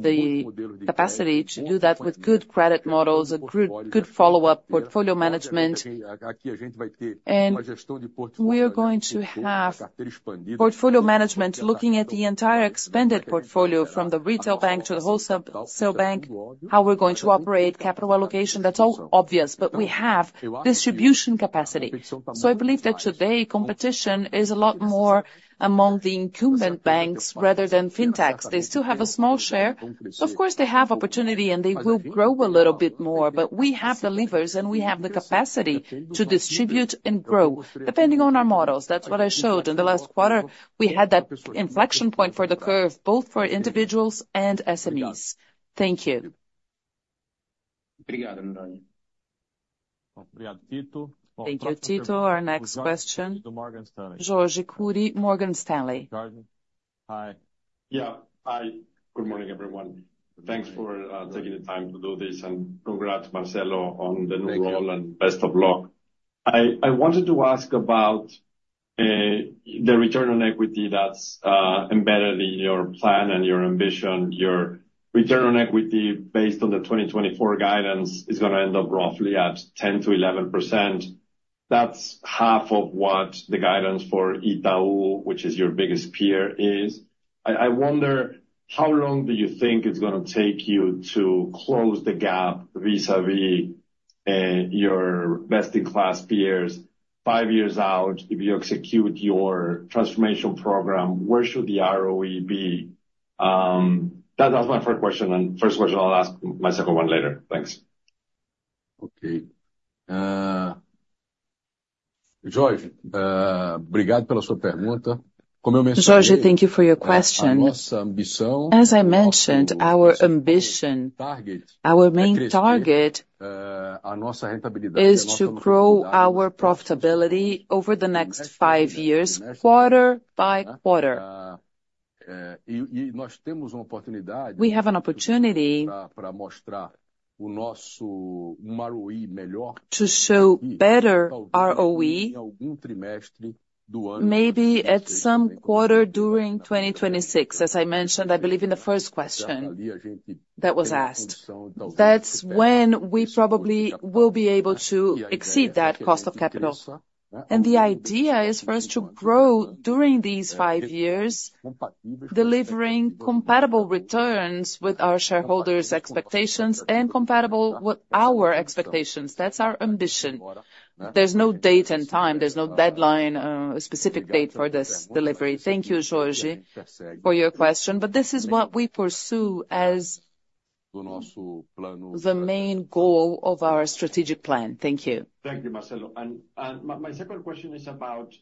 the capacity to do that with good credit models, a good, good follow-up portfolio management. And we are going to have portfolio management looking at the entire expanded portfolio, from the retail bank to the wholesale bank, how we're going to operate, capital allocation, that's all obvious, but we have distribution capacity. So I believe that today, competition is a lot more among the incumbent banks rather than Fintechs. They still have a small share. Of course, they have opportunity, and they will grow a little bit more, but we have the levers, and we have the capacity to distribute and grow, depending on our models. That's what I showed. In the last quarter, we had that inflection point for the curve, both for individuals and SMEs. Thank you. Thank you, Tito. Our next question, Jorge Kuri, Morgan Stanley. Jorge, hi. Yeah. Hi, good morning, everyone. Thanks for taking the time to do this, and congrats, Marcelo, on the new role- Thank you. Best of luck. I, I wanted to ask about the return on equity that's embedded in your plan and your ambition. Your return on equity based on the 2024 guidance is gonna end up roughly at 10%-11%. That's half of what the guidance for Itaú, which is your biggest peer, is. I wonder, how long do you think it's gonna take you to close the gap vis-à-vis your best-in-class peers five years out? If you execute your transformation program, where should the ROE be? That was my first question, and first question. I'll ask my second one later. Thanks. Okay. Jorge, obrigado pela sua pergunta. George, thank you for your question. As I mentioned- As I mentioned, our ambition, our main target, is to grow our profitability over the next five years, quarter by quarter. Uh, uh, We have an opportunity-... Pra mostrar o nosso ROE melhor. To show better ROE- Algum trimestre do ano. Maybe at some quarter during 2026, as I mentioned, I believe, in the first question that was asked. That's when we probably will be able to exceed that cost of capital. The idea is for us to grow during these five years, delivering compatible returns with our shareholders' expectations and compatible with our expectations. That's our ambition. There's no date and time, there's no deadline, specific date for this delivery. Thank you, George, for your question, but this is what we pursue as- The nosso plano. the main goal of our strategic plan. Thank you. Thank you, Marcelo. My second question is about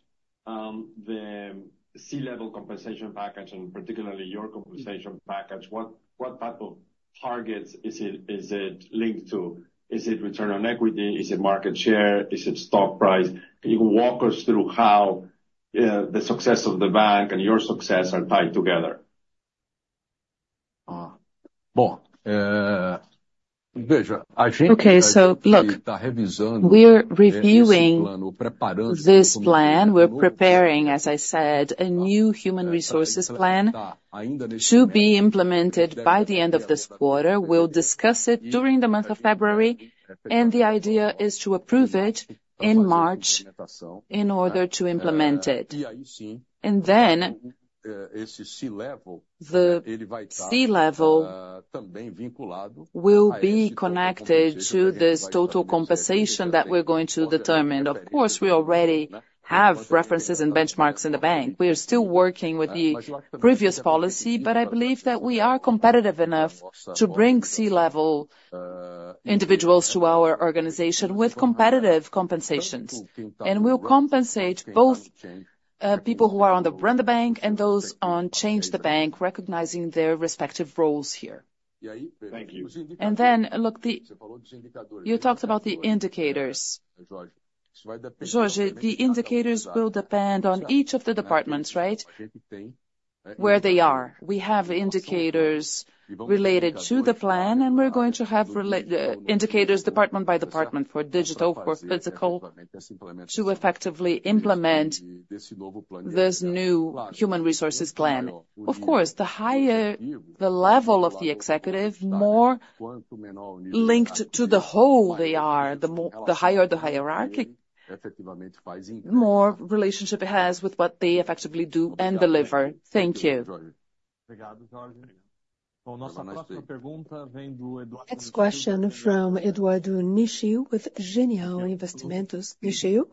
the C-level compensation package, and particularly your compensation package. What type of targets is it linked to? Is it return on equity? Is it market share? Is it stock price? Can you walk us through how the success of the bank and your success are tied together? Ah, well, veja, a gente- Okay, so look, we are reviewing- Revisando -this plan. We're preparing, as I said, a new human resources plan to be implemented by the end of this quarter. We'll discuss it during the month of February, and the idea is to approve it in March in order to implement it. Yeah, I see. And then- Esse C-level The C-level- também vinculado Will be connected to this total compensation that we're going to determine. Of course, we already have references and benchmarks in the bank. We are still working with the previous policy, but I believe that we are competitive enough to bring C-level individuals to our organization with competitive compensations. And we'll compensate both people who are on the brand of the bank and those on Change the Bank, recognizing their respective roles here. Thank you. And then, look, you talked about the indicators. George, the indicators will depend on each of the departments, right? Where they are. We have indicators related to the plan, and we're going to have indicators department by department, for digital, for physical, to effectively implement this new human resources plan. Of course, the higher the level of the executive, more linked to the whole they are, the more, the higher the hierarchy, more relationship it has with what they effectively do and deliver. Thank you. Thank you, George. Next question from Eduardo Nishio with Genial Investimentos. Nishio?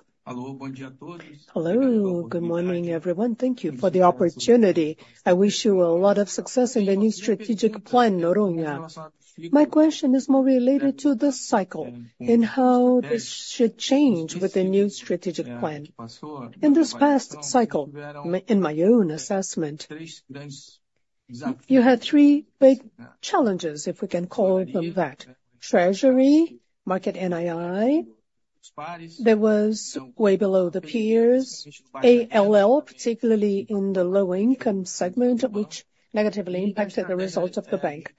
Hello, good morning, everyone. Thank you for the opportunity. I wish you a lot of success in the new strategic plan, Noronha. My question is more related to this cycle and how this should change with the new strategic plan. In this past cycle, in my own assessment, you had three big challenges, if we can call them that. Treasury, market NII, that was way below the peers. ALL, particularly in the low-income segment, which negatively impacted the results of the bank,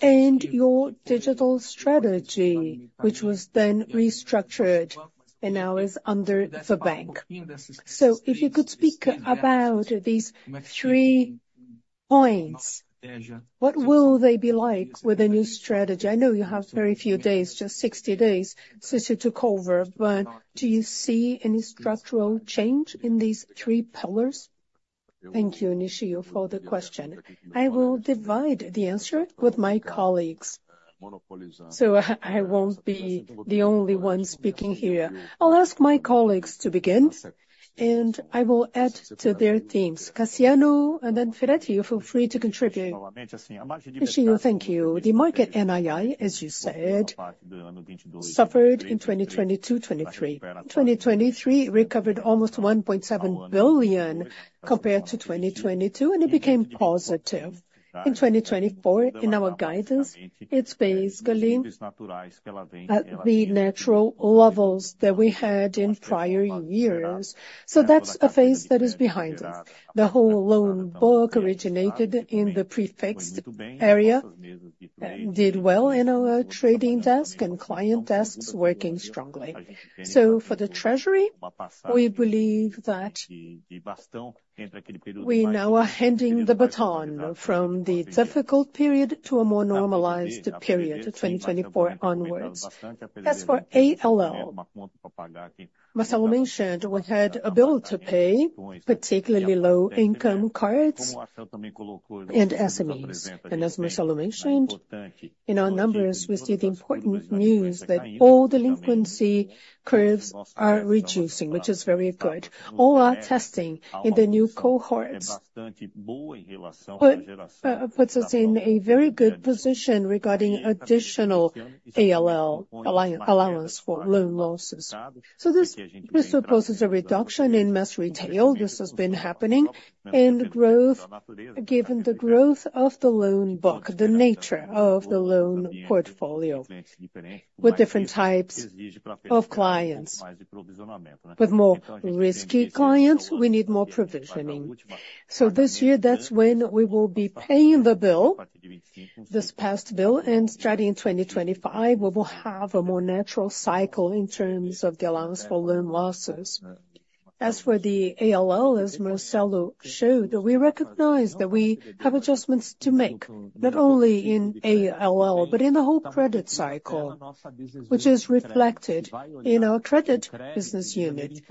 and your digital strategy, which was then restructured and now is under the bank. So if you could speak about these three points, what will they be like with a new strategy? I know you have very few days, just 60 days since you took over, but do you see any structural change in these three pillars?... Thank you, Nishio, for the question. I will divide the answer with my colleagues, so I won't be the only one speaking here. I'll ask my colleagues to begin, and I will add to their themes. Cassiano and then Firetti, feel free to contribute. Nishio, thank you. The market NII, as you said, suffered in 2022, 2023. 2023 recovered almost 1.7 billion compared to 2022, and it became positive. In 2024, in our guidance, it's basically the natural levels that we had in prior years. So that's a phase that is behind us. The whole loan book originated in the prefixed area, did well in our trading desk and client desk's working strongly. So for the treasury, we believe that we now are handing the baton from the difficult period to a more normalized period, 2024 onwards. As for ALL, Marcelo mentioned we had a bill to pay, particularly low-income cards and SMEs. As Marcelo mentioned, in our numbers, we see the important news that all delinquency curves are reducing, which is very good. All our testing in the new cohorts puts us in a very good position regarding additional ALL, allowance for loan losses. So this supposes a reduction in mass retail. This has been happening, and growth, given the growth of the loan book, the nature of the loan portfolio, with different types of clients. With more risky clients, we need more provisioning. So this year, that's when we will be paying the bill, this past bill, and starting in 2025, we will have a more natural cycle in terms of the allowance for loan losses. As for the ALL, as Marcelo showed, we recognize that we have adjustments to make, not only in ALL, but in the whole credit cycle, which is reflected in our credit business unit.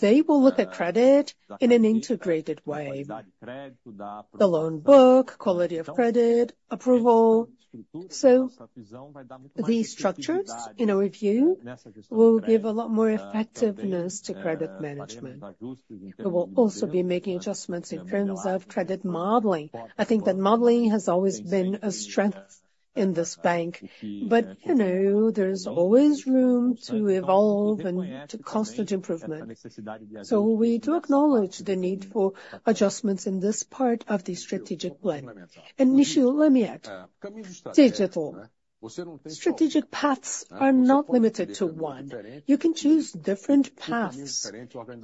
They will look at credit in an integrated way, the loan book, quality of credit, approval. So these structures, in our view, will give a lot more effectiveness to credit management. We will also be making adjustments in terms of credit modeling. I think that modeling has always been a strength in this bank, but, you know, there's always room to evolve and to constant improvement. So we do acknowledge the need for adjustments in this part of the strategic plan. And Nishio, let me add, digital. Strategic paths are not limited to one. You can choose different paths,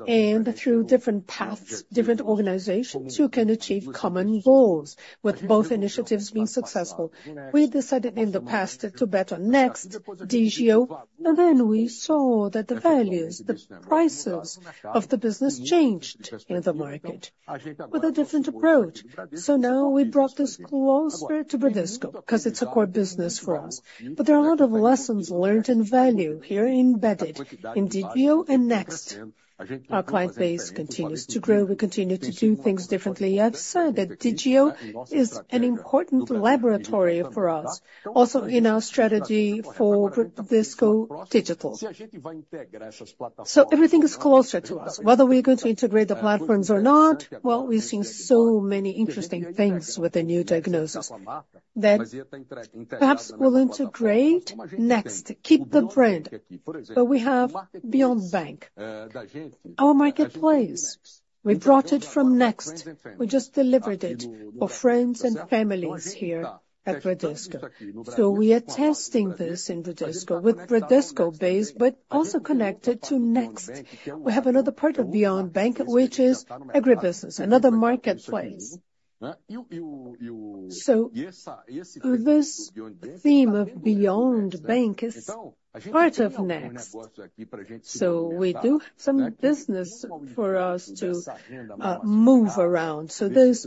and through different paths, different organizations, you can achieve common goals, with both initiatives being successful. We decided in the past to bet on Next, Digio, and then we saw that the values, the prices of the business changed in the market with a different approach. So now we brought this closer to Bradesco, 'cause it's a core business for us. But there are a lot of lessons learned and value here embedded in Digio and Next. Our client base continues to grow. We continue to do things differently, yes, so that Digio is an important laboratory for us, also in our strategy for Bradesco Digital. So everything is closer to us. Whether we're going to integrate the platforms or not, well, we've seen so many interesting things with the new diagnosis, that perhaps we'll integrate Next, keep the brand. But we have Beyond Bank, our marketplace. We brought it from Next. We just delivered it for friends and families here at Bradesco. So we are testing this in Bradesco with Bradesco base, but also connected to Next. We have another part of Beyond Bank, which is agribusiness, another marketplace. So this theme of Beyond Bank is part of Next. So we do some business for us to move around. So this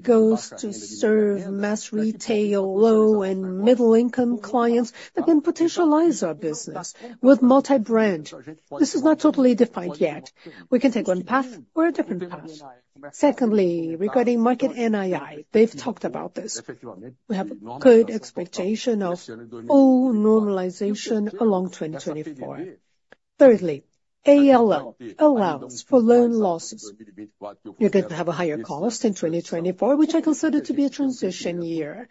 goes to serve mass retail, low and middle-income clients that can potentialize our business with multi-brand. This is not totally defined yet. We can take one path or a different path. Secondly, regarding market NII, they've talked about this. We have a good expectation of full normalization along 2024. Thirdly, ALL, allowance for loan losses. You're going to have a higher cost in 2024, which I consider to be a transition year,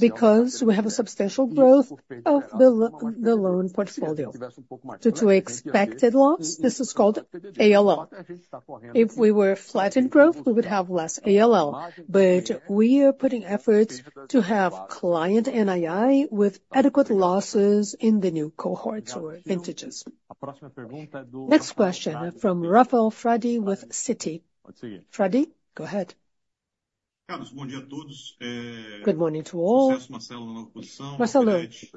because we have a substantial growth of the loan portfolio. Due to expected loss, this is called ALL. If we were flat in growth, we would have less ALL, but we are putting efforts to have client NII with adequate losses in the new cohorts or vintages. Next question from Rafael Frade with Citi. Frade, go ahead. Good morning to all. Marcelo,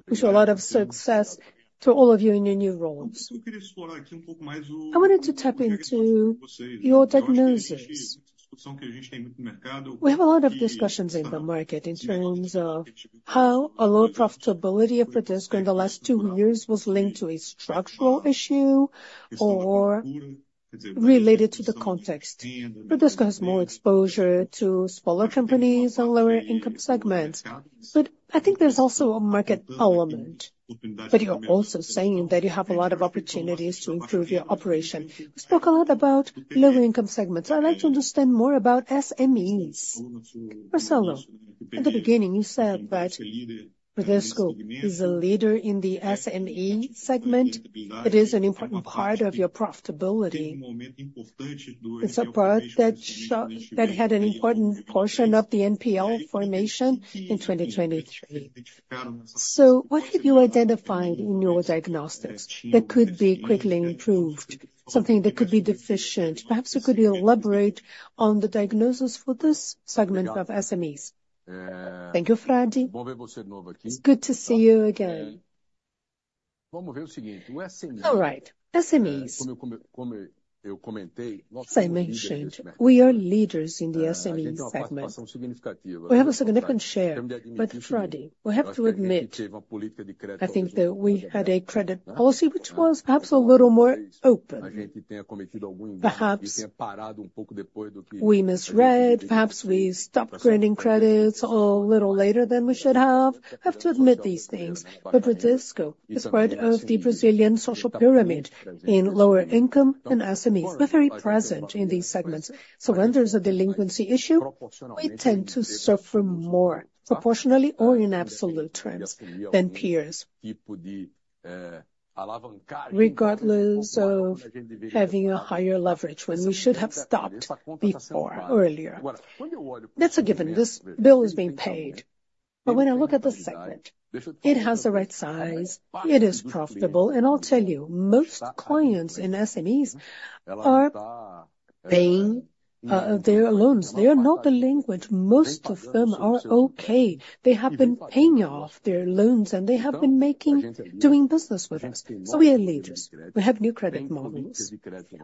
wish a lot of success to all of you in your new roles. I wanted to tap into your diagnosis. We have a lot of discussions in the market in terms of how a low profitability of Bradesco in the last two years was linked to a structural issue, or related to the context. Bradesco has more exposure to smaller companies and lower income segments, but I think there's also a market element. But you're also saying that you have a lot of opportunities to improve your operation. We spoke a lot about lower income segments. I'd like to understand more about SMEs. Marcelo, at the beginning, you said that Bradesco is a leader in the SME segment. It is an important part of your profitability. It's a part that had an important portion of the NPL formation in 2023. So what have you identified in your diagnostics that could be quickly improved, something that could be deficient? Perhaps you could elaborate on the diagnosis for this segment of SMEs. Thank you, Frade. It's good to see you again. All right, SMEs. As I mentioned, we are leaders in the SME segment. We have a significant share, but Frade, we have to admit, I think that we had a credit policy which was perhaps a little more open. Perhaps we misread, perhaps we stopped granting credits a little later than we should have. We have to admit these things, but Bradesco is part of the Brazilian social pyramid in lower income and SMEs. We're very present in these segments, so when there's a delinquency issue, we tend to suffer more proportionally or in absolute trends than peers. Regardless of having a higher leverage when we should have stopped before, earlier. That's a given. This bill is being paid. But when I look at the segment, it has the right size, it is profitable, and I'll tell you, most clients in SMEs are paying their loans. They are not delinquent. Most of them are okay. They have been paying off their loans, and they have been doing business with us. So we are leaders. We have new credit models.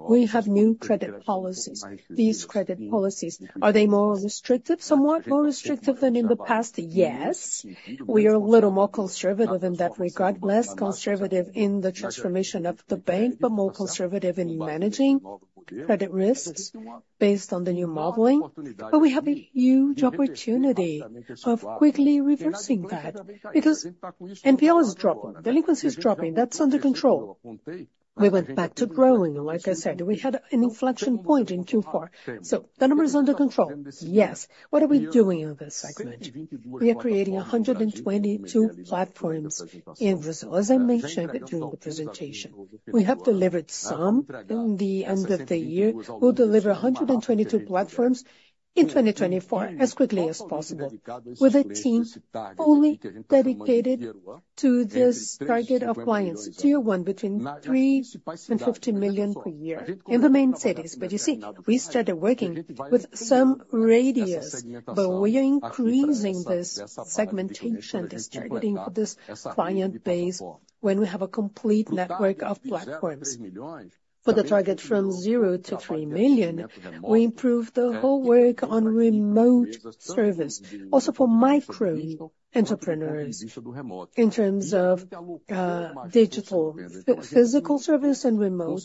We have new credit policies. These credit policies, are they more restrictive, somewhat more restrictive than in the past? Yes. We are a little more conservative in that regard. Less conservative in the transformation of the bank, but more conservative in managing credit risks based on the new modeling. But we have a huge opportunity of quickly reversing that, because NPL is dropping, delinquency is dropping, that's under control. We went back to growing, like I said, we had an inflection point in Q4, so the number is under control. Yes. What are we doing in this segment? We are creating 122 platforms in Brazil, as I mentioned during the presentation. We have delivered some in the end of the year. We'll deliver 122 platforms in 2024, as quickly as possible, with a team fully dedicated to this target of clients, tier one, between 3 million and 50 million per year in the main cities. But you see, we started working with some radius, but we are increasing this segmentation, this targeting for this client base when we have a complete network of platforms. For the target from zero to three million, we improved the whole work on remote service, also for micro entrepreneurs in terms of digital, physical service and remote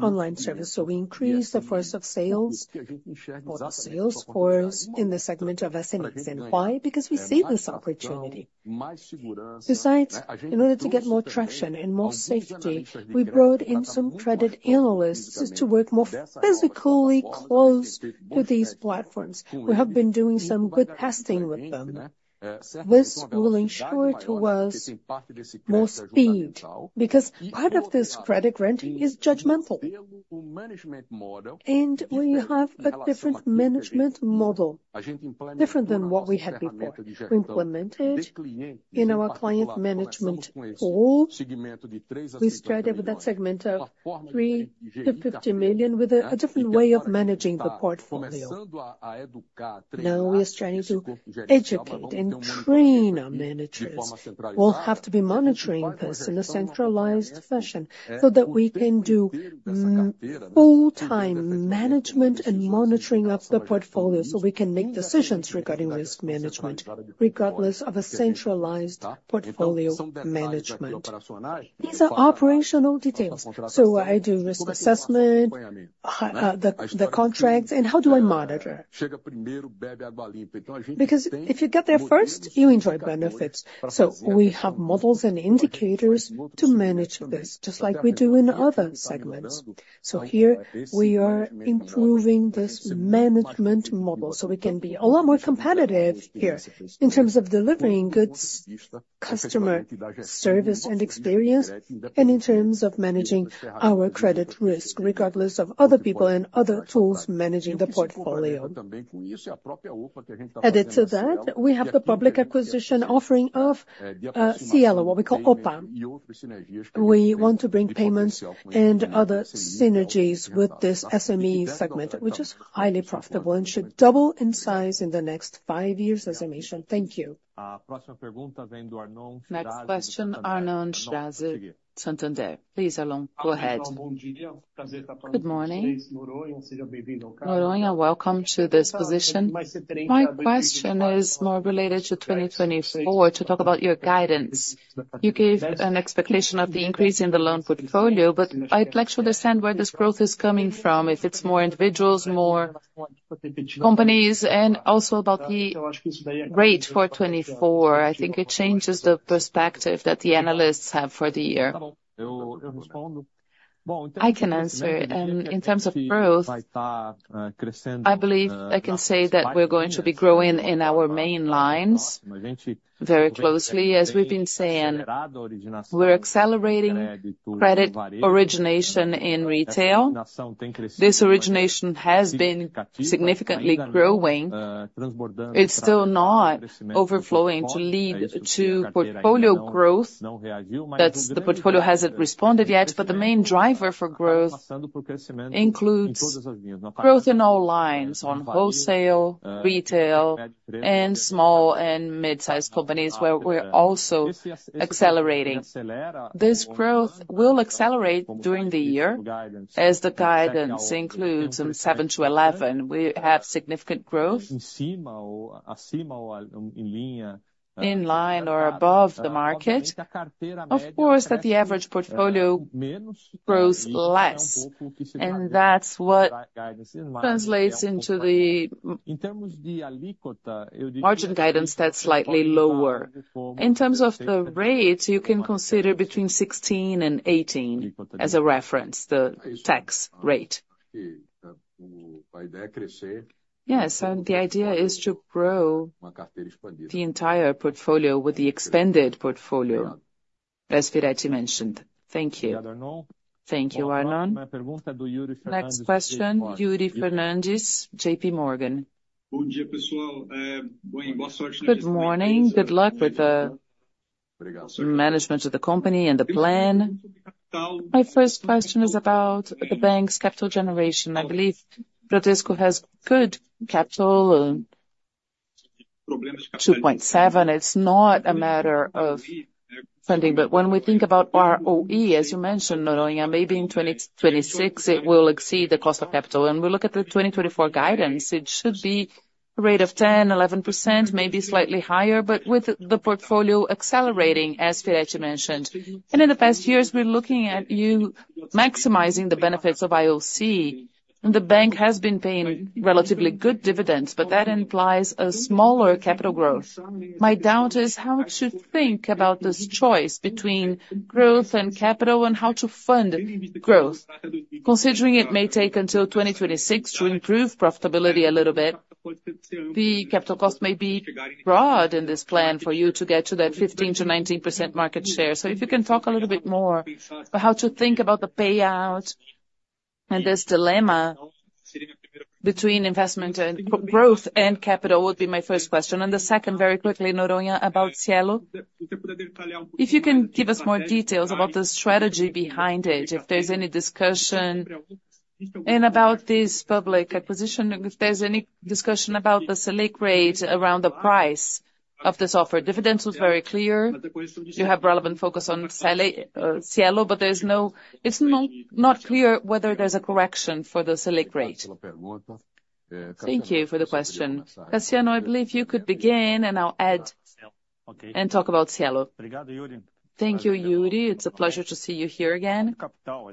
online service. So we increased the force of sales, or the sales force in the segment of SMEs. And why? Because we see this opportunity. Besides, in order to get more traction and more safety, we brought in some credit analysts to work more physically close to these platforms. We have been doing some good testing with them. This will ensure to us more speed, because part of this credit granting is judgmental. And we have a different management model, different than what we had before. We implemented in our client management role. We started with that segment of 3 million-50 million, with a different way of managing the portfolio. Now we are starting to educate and train our managers. We'll have to be monitoring this in a centralized fashion, so that we can do full-time management and monitoring of the portfolio, so we can make decisions regarding risk management, regardless of a centralized portfolio management. These are operational details, so I do risk assessment-... the contracts, and how do I monitor? Because if you get there first, you enjoy benefits. So we have models and indicators to manage this, just like we do in other segments. So here, we are improving this management model, so we can be a lot more competitive here in terms of delivering goods, customer service and experience, and in terms of managing our credit risk, regardless of other people and other tools managing the portfolio. Added to that, we have the public acquisition offering of Cielo, what we call OPA. We want to bring payments and other synergies with this SME segment, which is highly profitable and should double in size in the next five years, as I mentioned. Thank you. Next question, Arnon Shirazi, Santander. Please, Arnon, go ahead. Good morning. Noronha, welcome to this position. My question is more related to 2024, to talk about your guidance. You gave an expectation of the increase in the loan portfolio, but I'd like to understand where this growth is coming from, if it's more individuals, more companies, and also about the rate for 2024. I think it changes the perspective that the analysts have for the year. I can answer it. In terms of growth, I believe I can say that we're going to be growing in our main lines very closely. As we've been saying, we're accelerating credit origination in retail. This origination has been significantly growing. It's still not overflowing to lead to portfolio growth. That's the portfolio hasn't responded yet, but the main driver for growth includes growth in all lines, on wholesale, retail, and small and mid-sized companies, where we're also accelerating. This growth will accelerate during the year, as the guidance includes in 7 to 11, we have significant growth. In line or above the market, of course, that the average portfolio grows less, and that's what translates into the margin guidance that's slightly lower. In terms of the rates, you can consider between 16 and 18 as a reference, the tax rate. Yes, and the idea is to grow the entire portfolio with the expanded portfolio, as Firetti mentioned. Thank you. Thank you, Arnon. Next question, Yuri Fernandes, JPMorgan. Good morning. Good luck with the management of the company and the plan. My first question is about the bank's capital generation. I believe Bradesco has good capital, 2.7. It's not a matter of funding, but when we think about ROE, as you mentioned, Noronha, maybe in 2026, it will exceed the cost of capital. When we look at the 2024 guidance, it should be a rate of 10%-11%, maybe slightly higher, but with the portfolio accelerating, as Firetti mentioned. And in the past years, we're looking at you maximizing the benefits of IOC, and the bank has been paying relatively good dividends, but that implies a smaller capital growth. My doubt is how to think about this choice between growth and capital, and how to fund growth, considering it may take until 2026 to improve profitability a little bit. The capital cost may be broad in this plan for you to get to that 15%-19% market share. So if you can talk a little bit more about how to think about the payout and this dilemma between investment and growth and capital, would be my first question. And the second, very quickly, Noronha, about Cielo. If you can give us more details about the strategy behind it, if there's any discussion, and about this public acquisition, if there's any discussion about the Selic rate around the price of this offer. Dividends was very clear. You have relevant focus on Cielo, but it's not clear whether there's a correction for the Selic rate. Thank you for the question. Cassiano, I believe you could begin, and I'll add and talk about Cielo. Thank you, Yuri. It's a pleasure to see you here again. On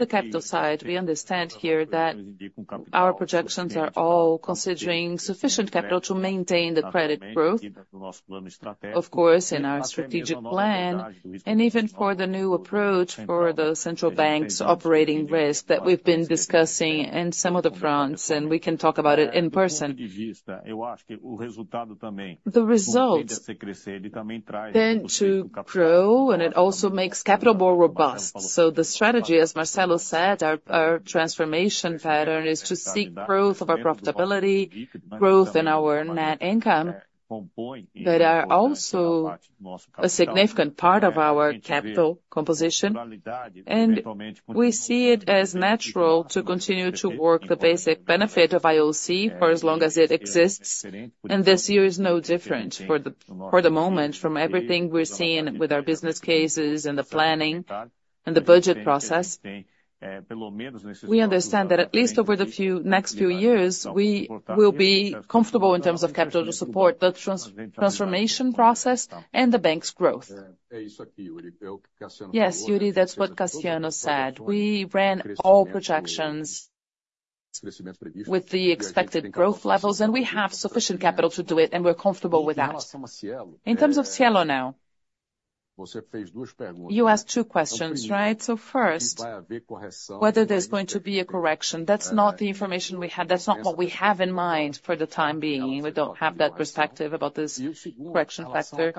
the capital side, we understand here that our projections are all considering sufficient capital to maintain the credit growth, of course, in our strategic plan, and even for the new approach for the central bank's operating risk that we've been discussing in some of the fronts, and we can talk about it in person. The results tend to grow, and it also makes capital more robust. So the strategy, as Marcelo said, our, our transformation pattern is to seek growth of our profitability, growth in our net income, that are also a significant part of our capital composition. We see it as natural to continue to work the basic benefit of IOC for as long as it exists, and this year is no different. For the moment, from everything we're seeing with our business cases and the planning and the budget process, we understand that at least over the next few years, we will be comfortable in terms of capital to support the transformation process and the bank's growth. Yes, Yuri, that's what Cassiano said. We ran all projections-... with the expected growth levels, and we have sufficient capital to do it, and we're comfortable with that. In terms of Cielo now, you asked two questions, right? So first, whether there's going to be a correction, that's not the information we have. That's not what we have in mind for the time being. We don't have that perspective about this correction factor.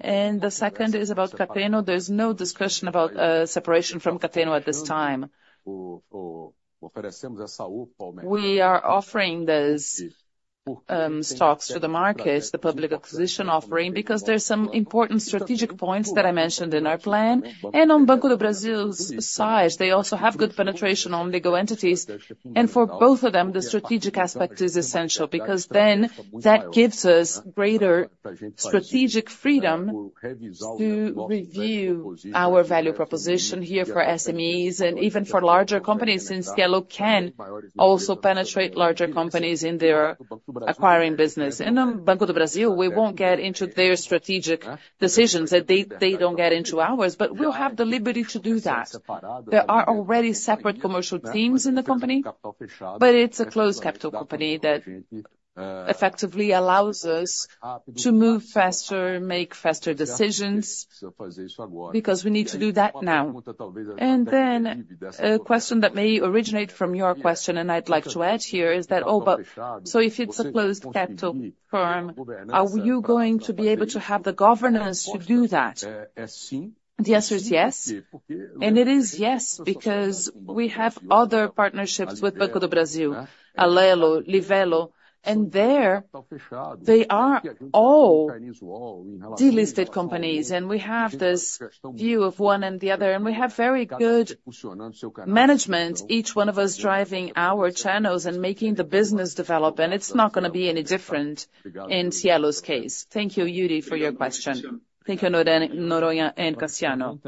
And the second is about Cateno. There's no discussion about separation from Cateno at this time. We are offering those stocks to the market, the public acquisition offering, because there's some important strategic points that I mentioned in our plan. And on Banco do Brasil's side, they also have good penetration on legal entities. And for both of them, the strategic aspect is essential, because then that gives us greater strategic freedom to review our value proposition here for SMEs and even for larger companies, since Cielo can also penetrate larger companies in their acquiring business. And on Banco do Brasil, we won't get into their strategic decisions, and they, they don't get into ours, but we'll have the liberty to do that. There are already separate commercial teams in the company, but it's a closed capital company that effectively allows us to move faster, make faster decisions, because we need to do that now. And then, a question that may originate from your question, and I'd like to add here, is that: Oh, but so if it's a closed capital firm, are you going to be able to have the governance to do that? The answer is yes, and it is yes, because we have other partnerships with Banco do Brasil, Alelo, Livelo, and there they are all delisted companies, and we have this view of one and the other, and we have very good management, each one of us driving our channels and making the business develop, and it's not gonna be any different in Cielo's case. Thank you, Yuri, for your question. Thank you, Noronha and Cassiano.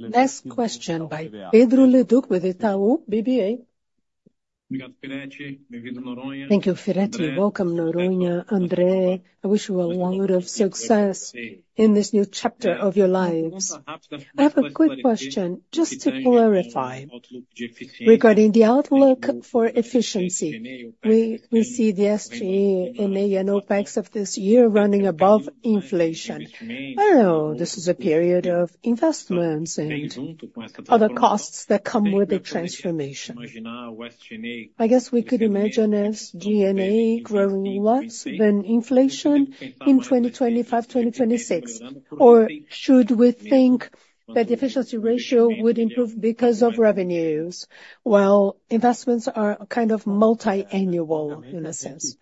Next question by Pedro Leduc with Itaú BBA. Thank you, Firetti. Welcome, Noronha, André. I wish you a lot of success in this new chapter of your lives. I have a quick question, just to clarify regarding the outlook for efficiency. We see the SG&A and OPEX of this year running above inflation. I know this is a period of investments and other costs that come with the transformation. I guess we could imagine SG&A growing less than inflation in 2025, 2026, or should we think that the efficiency ratio would improve because of revenues? Well, investments are kind of multi-annual, in a sense.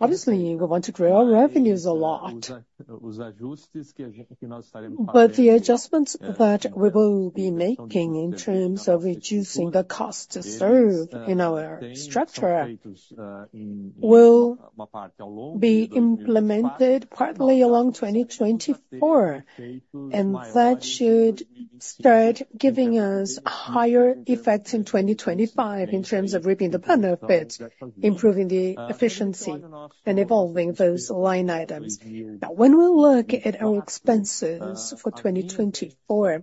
Obviously, we want to grow our revenues a lot. But the adjustments that we will be making in terms of reducing the cost to serve in our structure, will be implemented partly along 2024, and that should start giving us higher effects in 2025, in terms of reaping the benefit, improving the efficiency and evolving those line items. Now, when we look at our expenses for 2024,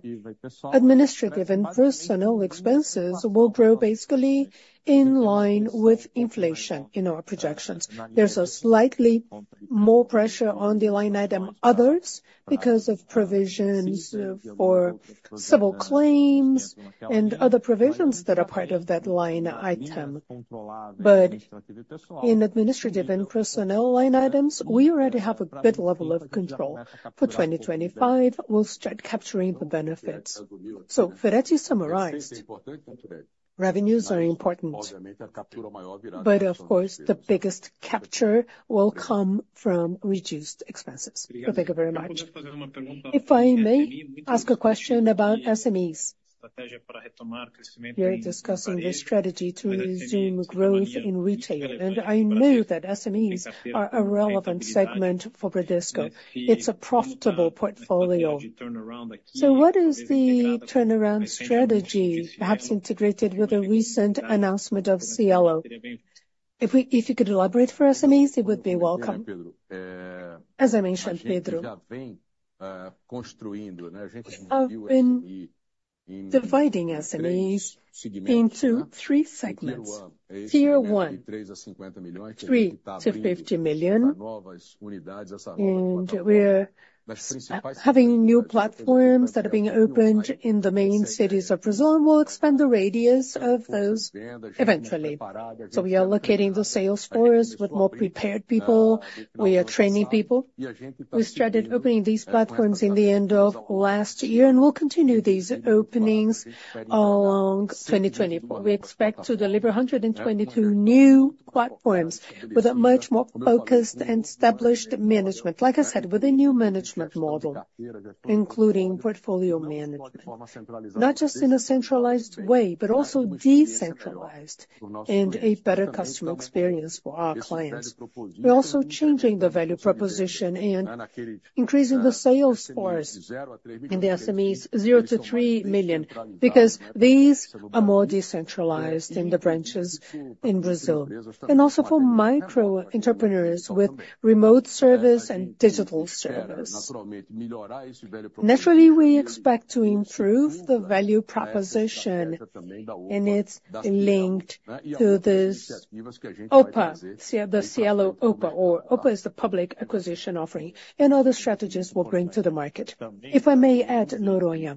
administrative and personnel expenses will grow basically in line with inflation in our projections. There's a slightly more pressure on the line item, others, because of provisions for civil claims and other provisions that are part of that line item. But in administrative and personnel line items, we already have a good level of control. For 2025, we'll start capturing the benefits. Firetti summarized, revenues are important, but of course, the biggest capture will come from reduced expenses. Thank you very much. If I may ask a question about SMEs. You're discussing the strategy to resume growth in retail, and I know that SMEs are a relevant segment for Bradesco. It's a profitable portfolio. So what is the turnaround strategy, perhaps integrated with the recent announcement of Cielo? If you could elaborate for SMEs, it would be welcome. As I mentioned, Pedro, we've been dividing SMEs into three segments. Tier one, 3-50 million, and we're having new platforms that are being opened in the main cities of Brazil, and we'll expand the radius of those eventually. So we are allocating the sales force with more prepared people. We are training people. We started opening these platforms in the end of last year, and we'll continue these openings along 2024. We expect to deliver 122 new platforms with a much more focused and established management, like I said, with a new management model, including portfolio management. Not just in a centralized way, but also decentralized and a better customer experience for our clients. We're also changing the value proposition and increasing the sales force in the SMEs 0-3 million, because these are more decentralized in the branches in Brazil, and also for micro entrepreneurs with remote service and digital service. Naturally, we expect to improve the value proposition, and it's linked to this OPA, the Cielo OPA, or OPA is the Public Acquisition Offering, and other strategies we'll bring to the market. If I may add, Noronha,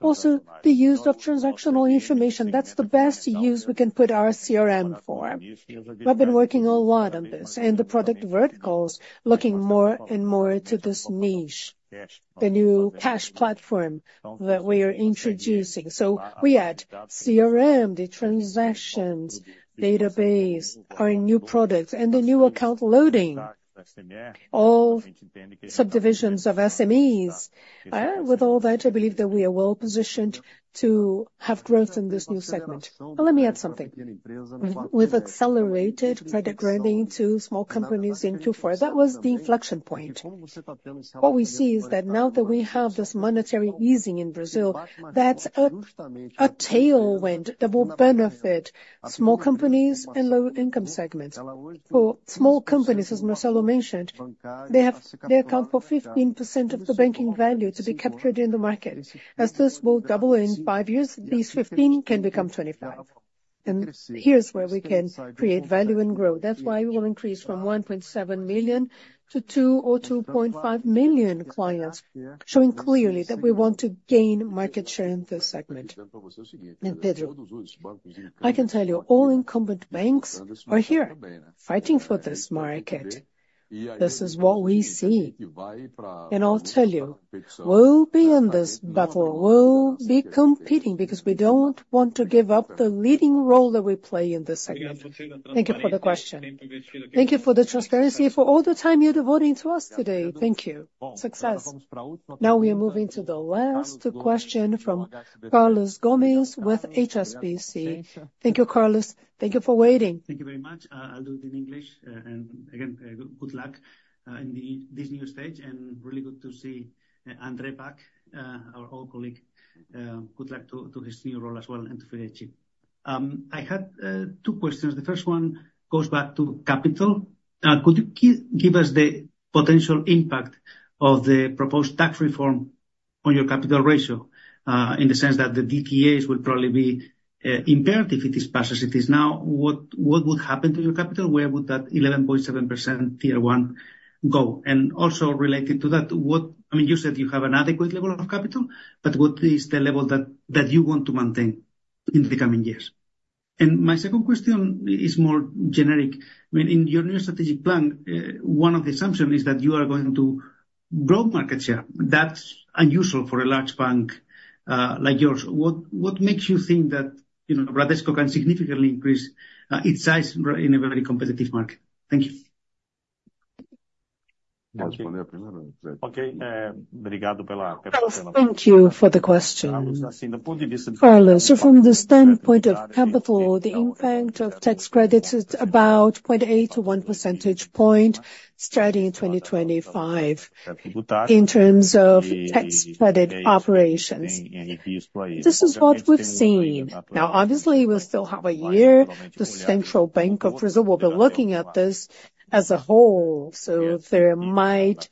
also the use of transactional information, that's the best use we can put our CRM for. We've been working a lot on this and the product verticals, looking more and more to this niche, the new cash platform that we are introducing. So we add CRM, the transactions, database, our new products and the new account loading, all subdivisions of SMEs. With all that, I believe that we are well positioned to have growth in this new segment. But let me add something. With accelerated credit granting to small companies in Q4, that was the inflection point. What we see is that now that we have this monetary easing in Brazil, that's a tailwind that will benefit small companies and low-income segments. For small companies, as Marcelo mentioned, they account for 15% of the banking value to be captured in the market, as this will double in 5 years, these 15 can become 25. Here's where we can create value and growth. That's why we will increase from 1.7 million to 2 or 2.5 million clients, showing clearly that we want to gain market share in this segment. Pedro, I can tell you, all incumbent banks are here fighting for this market. This is what we see, and I'll tell you, we'll be in this battle. We'll be competing, because we don't want to give up the leading role that we play in this segment. Thank you for the question. Thank you for the transparency, for all the time you're devoting to us today. Thank you. Success. Now we are moving to the last question from Carlos Gomes with HSBC. Thank you, Carlos. Thank you for waiting. Thank you very much. I'll do it in English. And again, good luck in this new stage, and really good to see André back, our old colleague. Good luck to his new role as well, and to Firetti. I had two questions. The first one goes back to capital. Could you give us the potential impact of the proposed tax reform on your capital ratio? In the sense that the DTAs would probably be impaired if it is passed as it is now. What would happen to your capital? Where would that 11.7% Tier I go? And also related to that, what—I mean, you said you have an adequate level of capital, but what is the level that you want to maintain in the coming years? My second question is more generic. I mean, in your new strategic plan, one of the assumption is that you are going to grow market share. That's unusual for a large bank, like yours. What makes you think that, you know, Bradesco can significantly increase its size in a very competitive market? Thank you. Thank you for the question. Carlos, so from the standpoint of capital, the impact of tax credits is about 0.8-1 percentage point, starting in 2025, in terms of tax credit operations. This is what we've seen. Now, obviously, we still have a year. The Central Bank of Brazil will be looking at this as a whole, so there might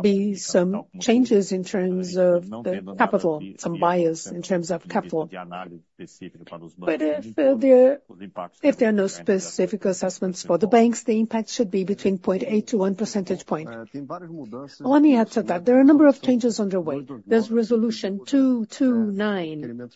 be some changes in terms of the capital, some bias in terms of capital. But if there are no specific assessments for the banks, the impact should be between 0.8-1 percentage point. Let me add to that. There are a number of changes underway. There's Resolution 229,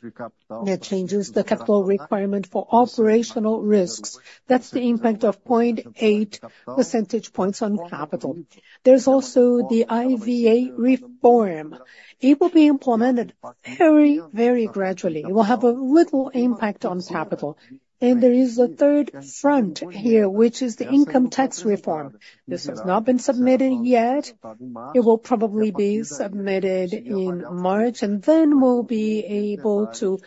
that changes the capital requirement for operational risks. That's the impact of 0.8 percentage points on capital. There's also the IVA reform. It will be implemented very, very gradually. It will have a little impact on capital. There is a third front here, which is the income tax reform. This has not been submitted yet. It will probably be submitted in March, and then we'll be able to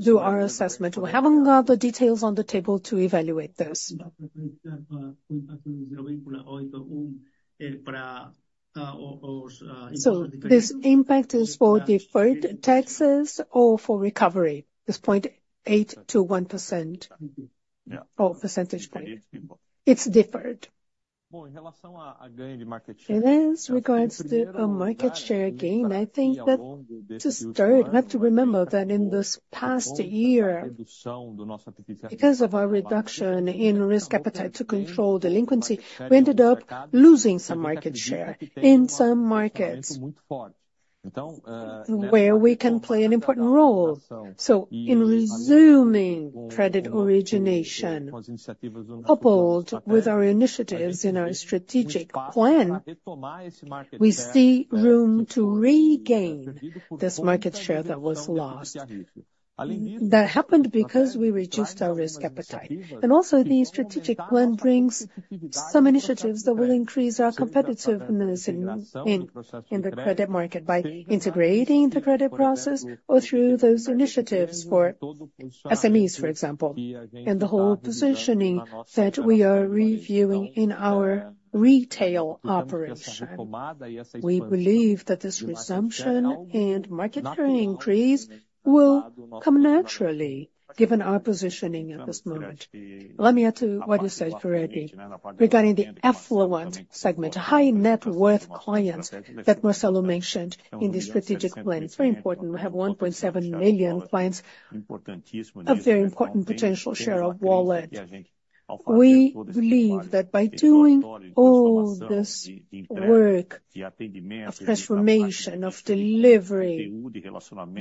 do our assessment. We haven't got the details on the table to evaluate this. This impact is for deferred taxes or for recovery, this 0.8%-1%?... Oh, percentage point. It's different. As regards to our market share gain, I think that to start, we have to remember that in this past year, because of our reduction in risk appetite to control delinquency, we ended up losing some market share in some markets where we can play an important role. So in resuming credit origination, coupled with our initiatives in our strategic plan, we see room to regain this market share that was lost. That happened because we reduced our risk appetite. Also, the strategic plan brings some initiatives that will increase our competitiveness in the credit market by integrating the credit process or through those initiatives for SMEs, for example, and the whole positioning that we are reviewing in our retail operation. We believe that this resumption and market share increase will come naturally, given our positioning at this moment. Let me add to what you said, Firetti, regarding the affluent segment, high net worth clients that Marcelo mentioned in the strategic plan. It's very important. We have 1.7 million clients, a very important potential share of wallet. We believe that by doing all this work of transformation, of delivery,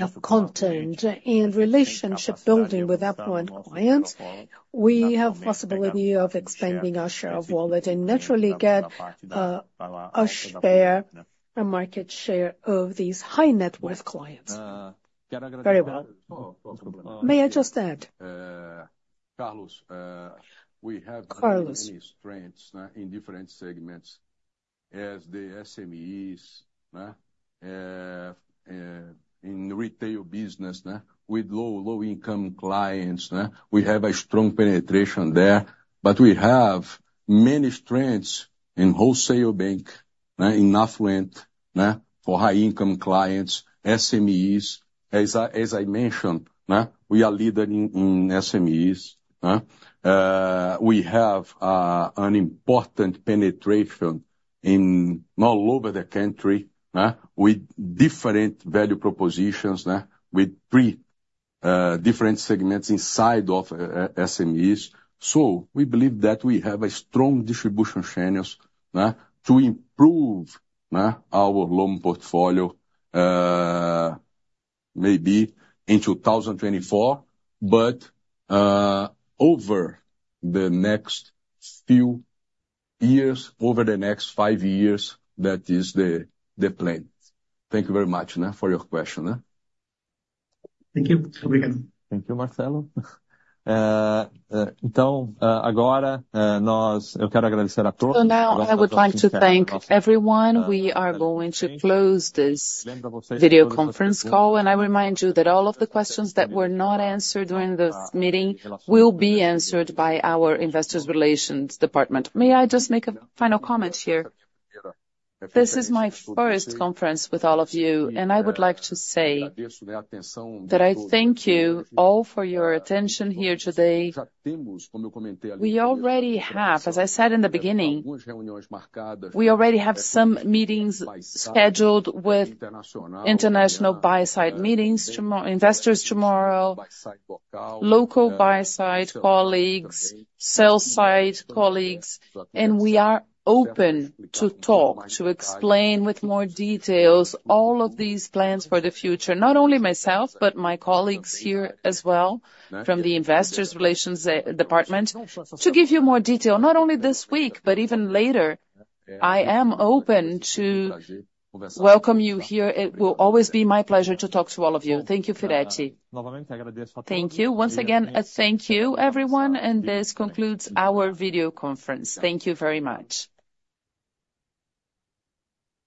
of content and relationship building with affluent clients, we have possibility of expanding our share of wallet and naturally get a share, a market share of these high net worth clients. Very well. May I just add? Carlos, we have- Carlos. many strengths in different segments, as the SMEs in retail business with low, low-income clients, we have a strong penetration there. But we have many strengths in wholesale bank in affluent for high-income clients, SMEs. As I, as I mentioned, we are leader in SMEs, we have an important penetration all over the country with different value propositions with three different segments inside of SMEs. So we believe that we have a strong distribution channels to improve our loan portfolio, maybe in 2024. But over the next few years, over the next five years, that is the, the plan. Thank you very much for your question. Thank you. Thank you, Marcelo. So now I would like to thank everyone. We are going to close this video conference call, and I remind you that all of the questions that were not answered during this meeting will be answered by our Investor Relations department. May I just make a final comment here? This is my first conference with all of you, and I would like to say that I thank you all for your attention here today. We already have, as I said in the beginning, we already have some meetings scheduled with international buy-side meetings tomorrow, investors tomorrow, local buy-side colleagues, sell-side colleagues. We are open to talk, to explain with more details all of these plans for the future. Not only myself, but my colleagues here as well, from the Investor Relations department. To give you more detail, not only this week, but even later, I am open to welcome you here. It will always be my pleasure to talk to all of you. Thank you, Firetti. Thank you. Once again, thank you, everyone, and this concludes our video conference. Thank you very much.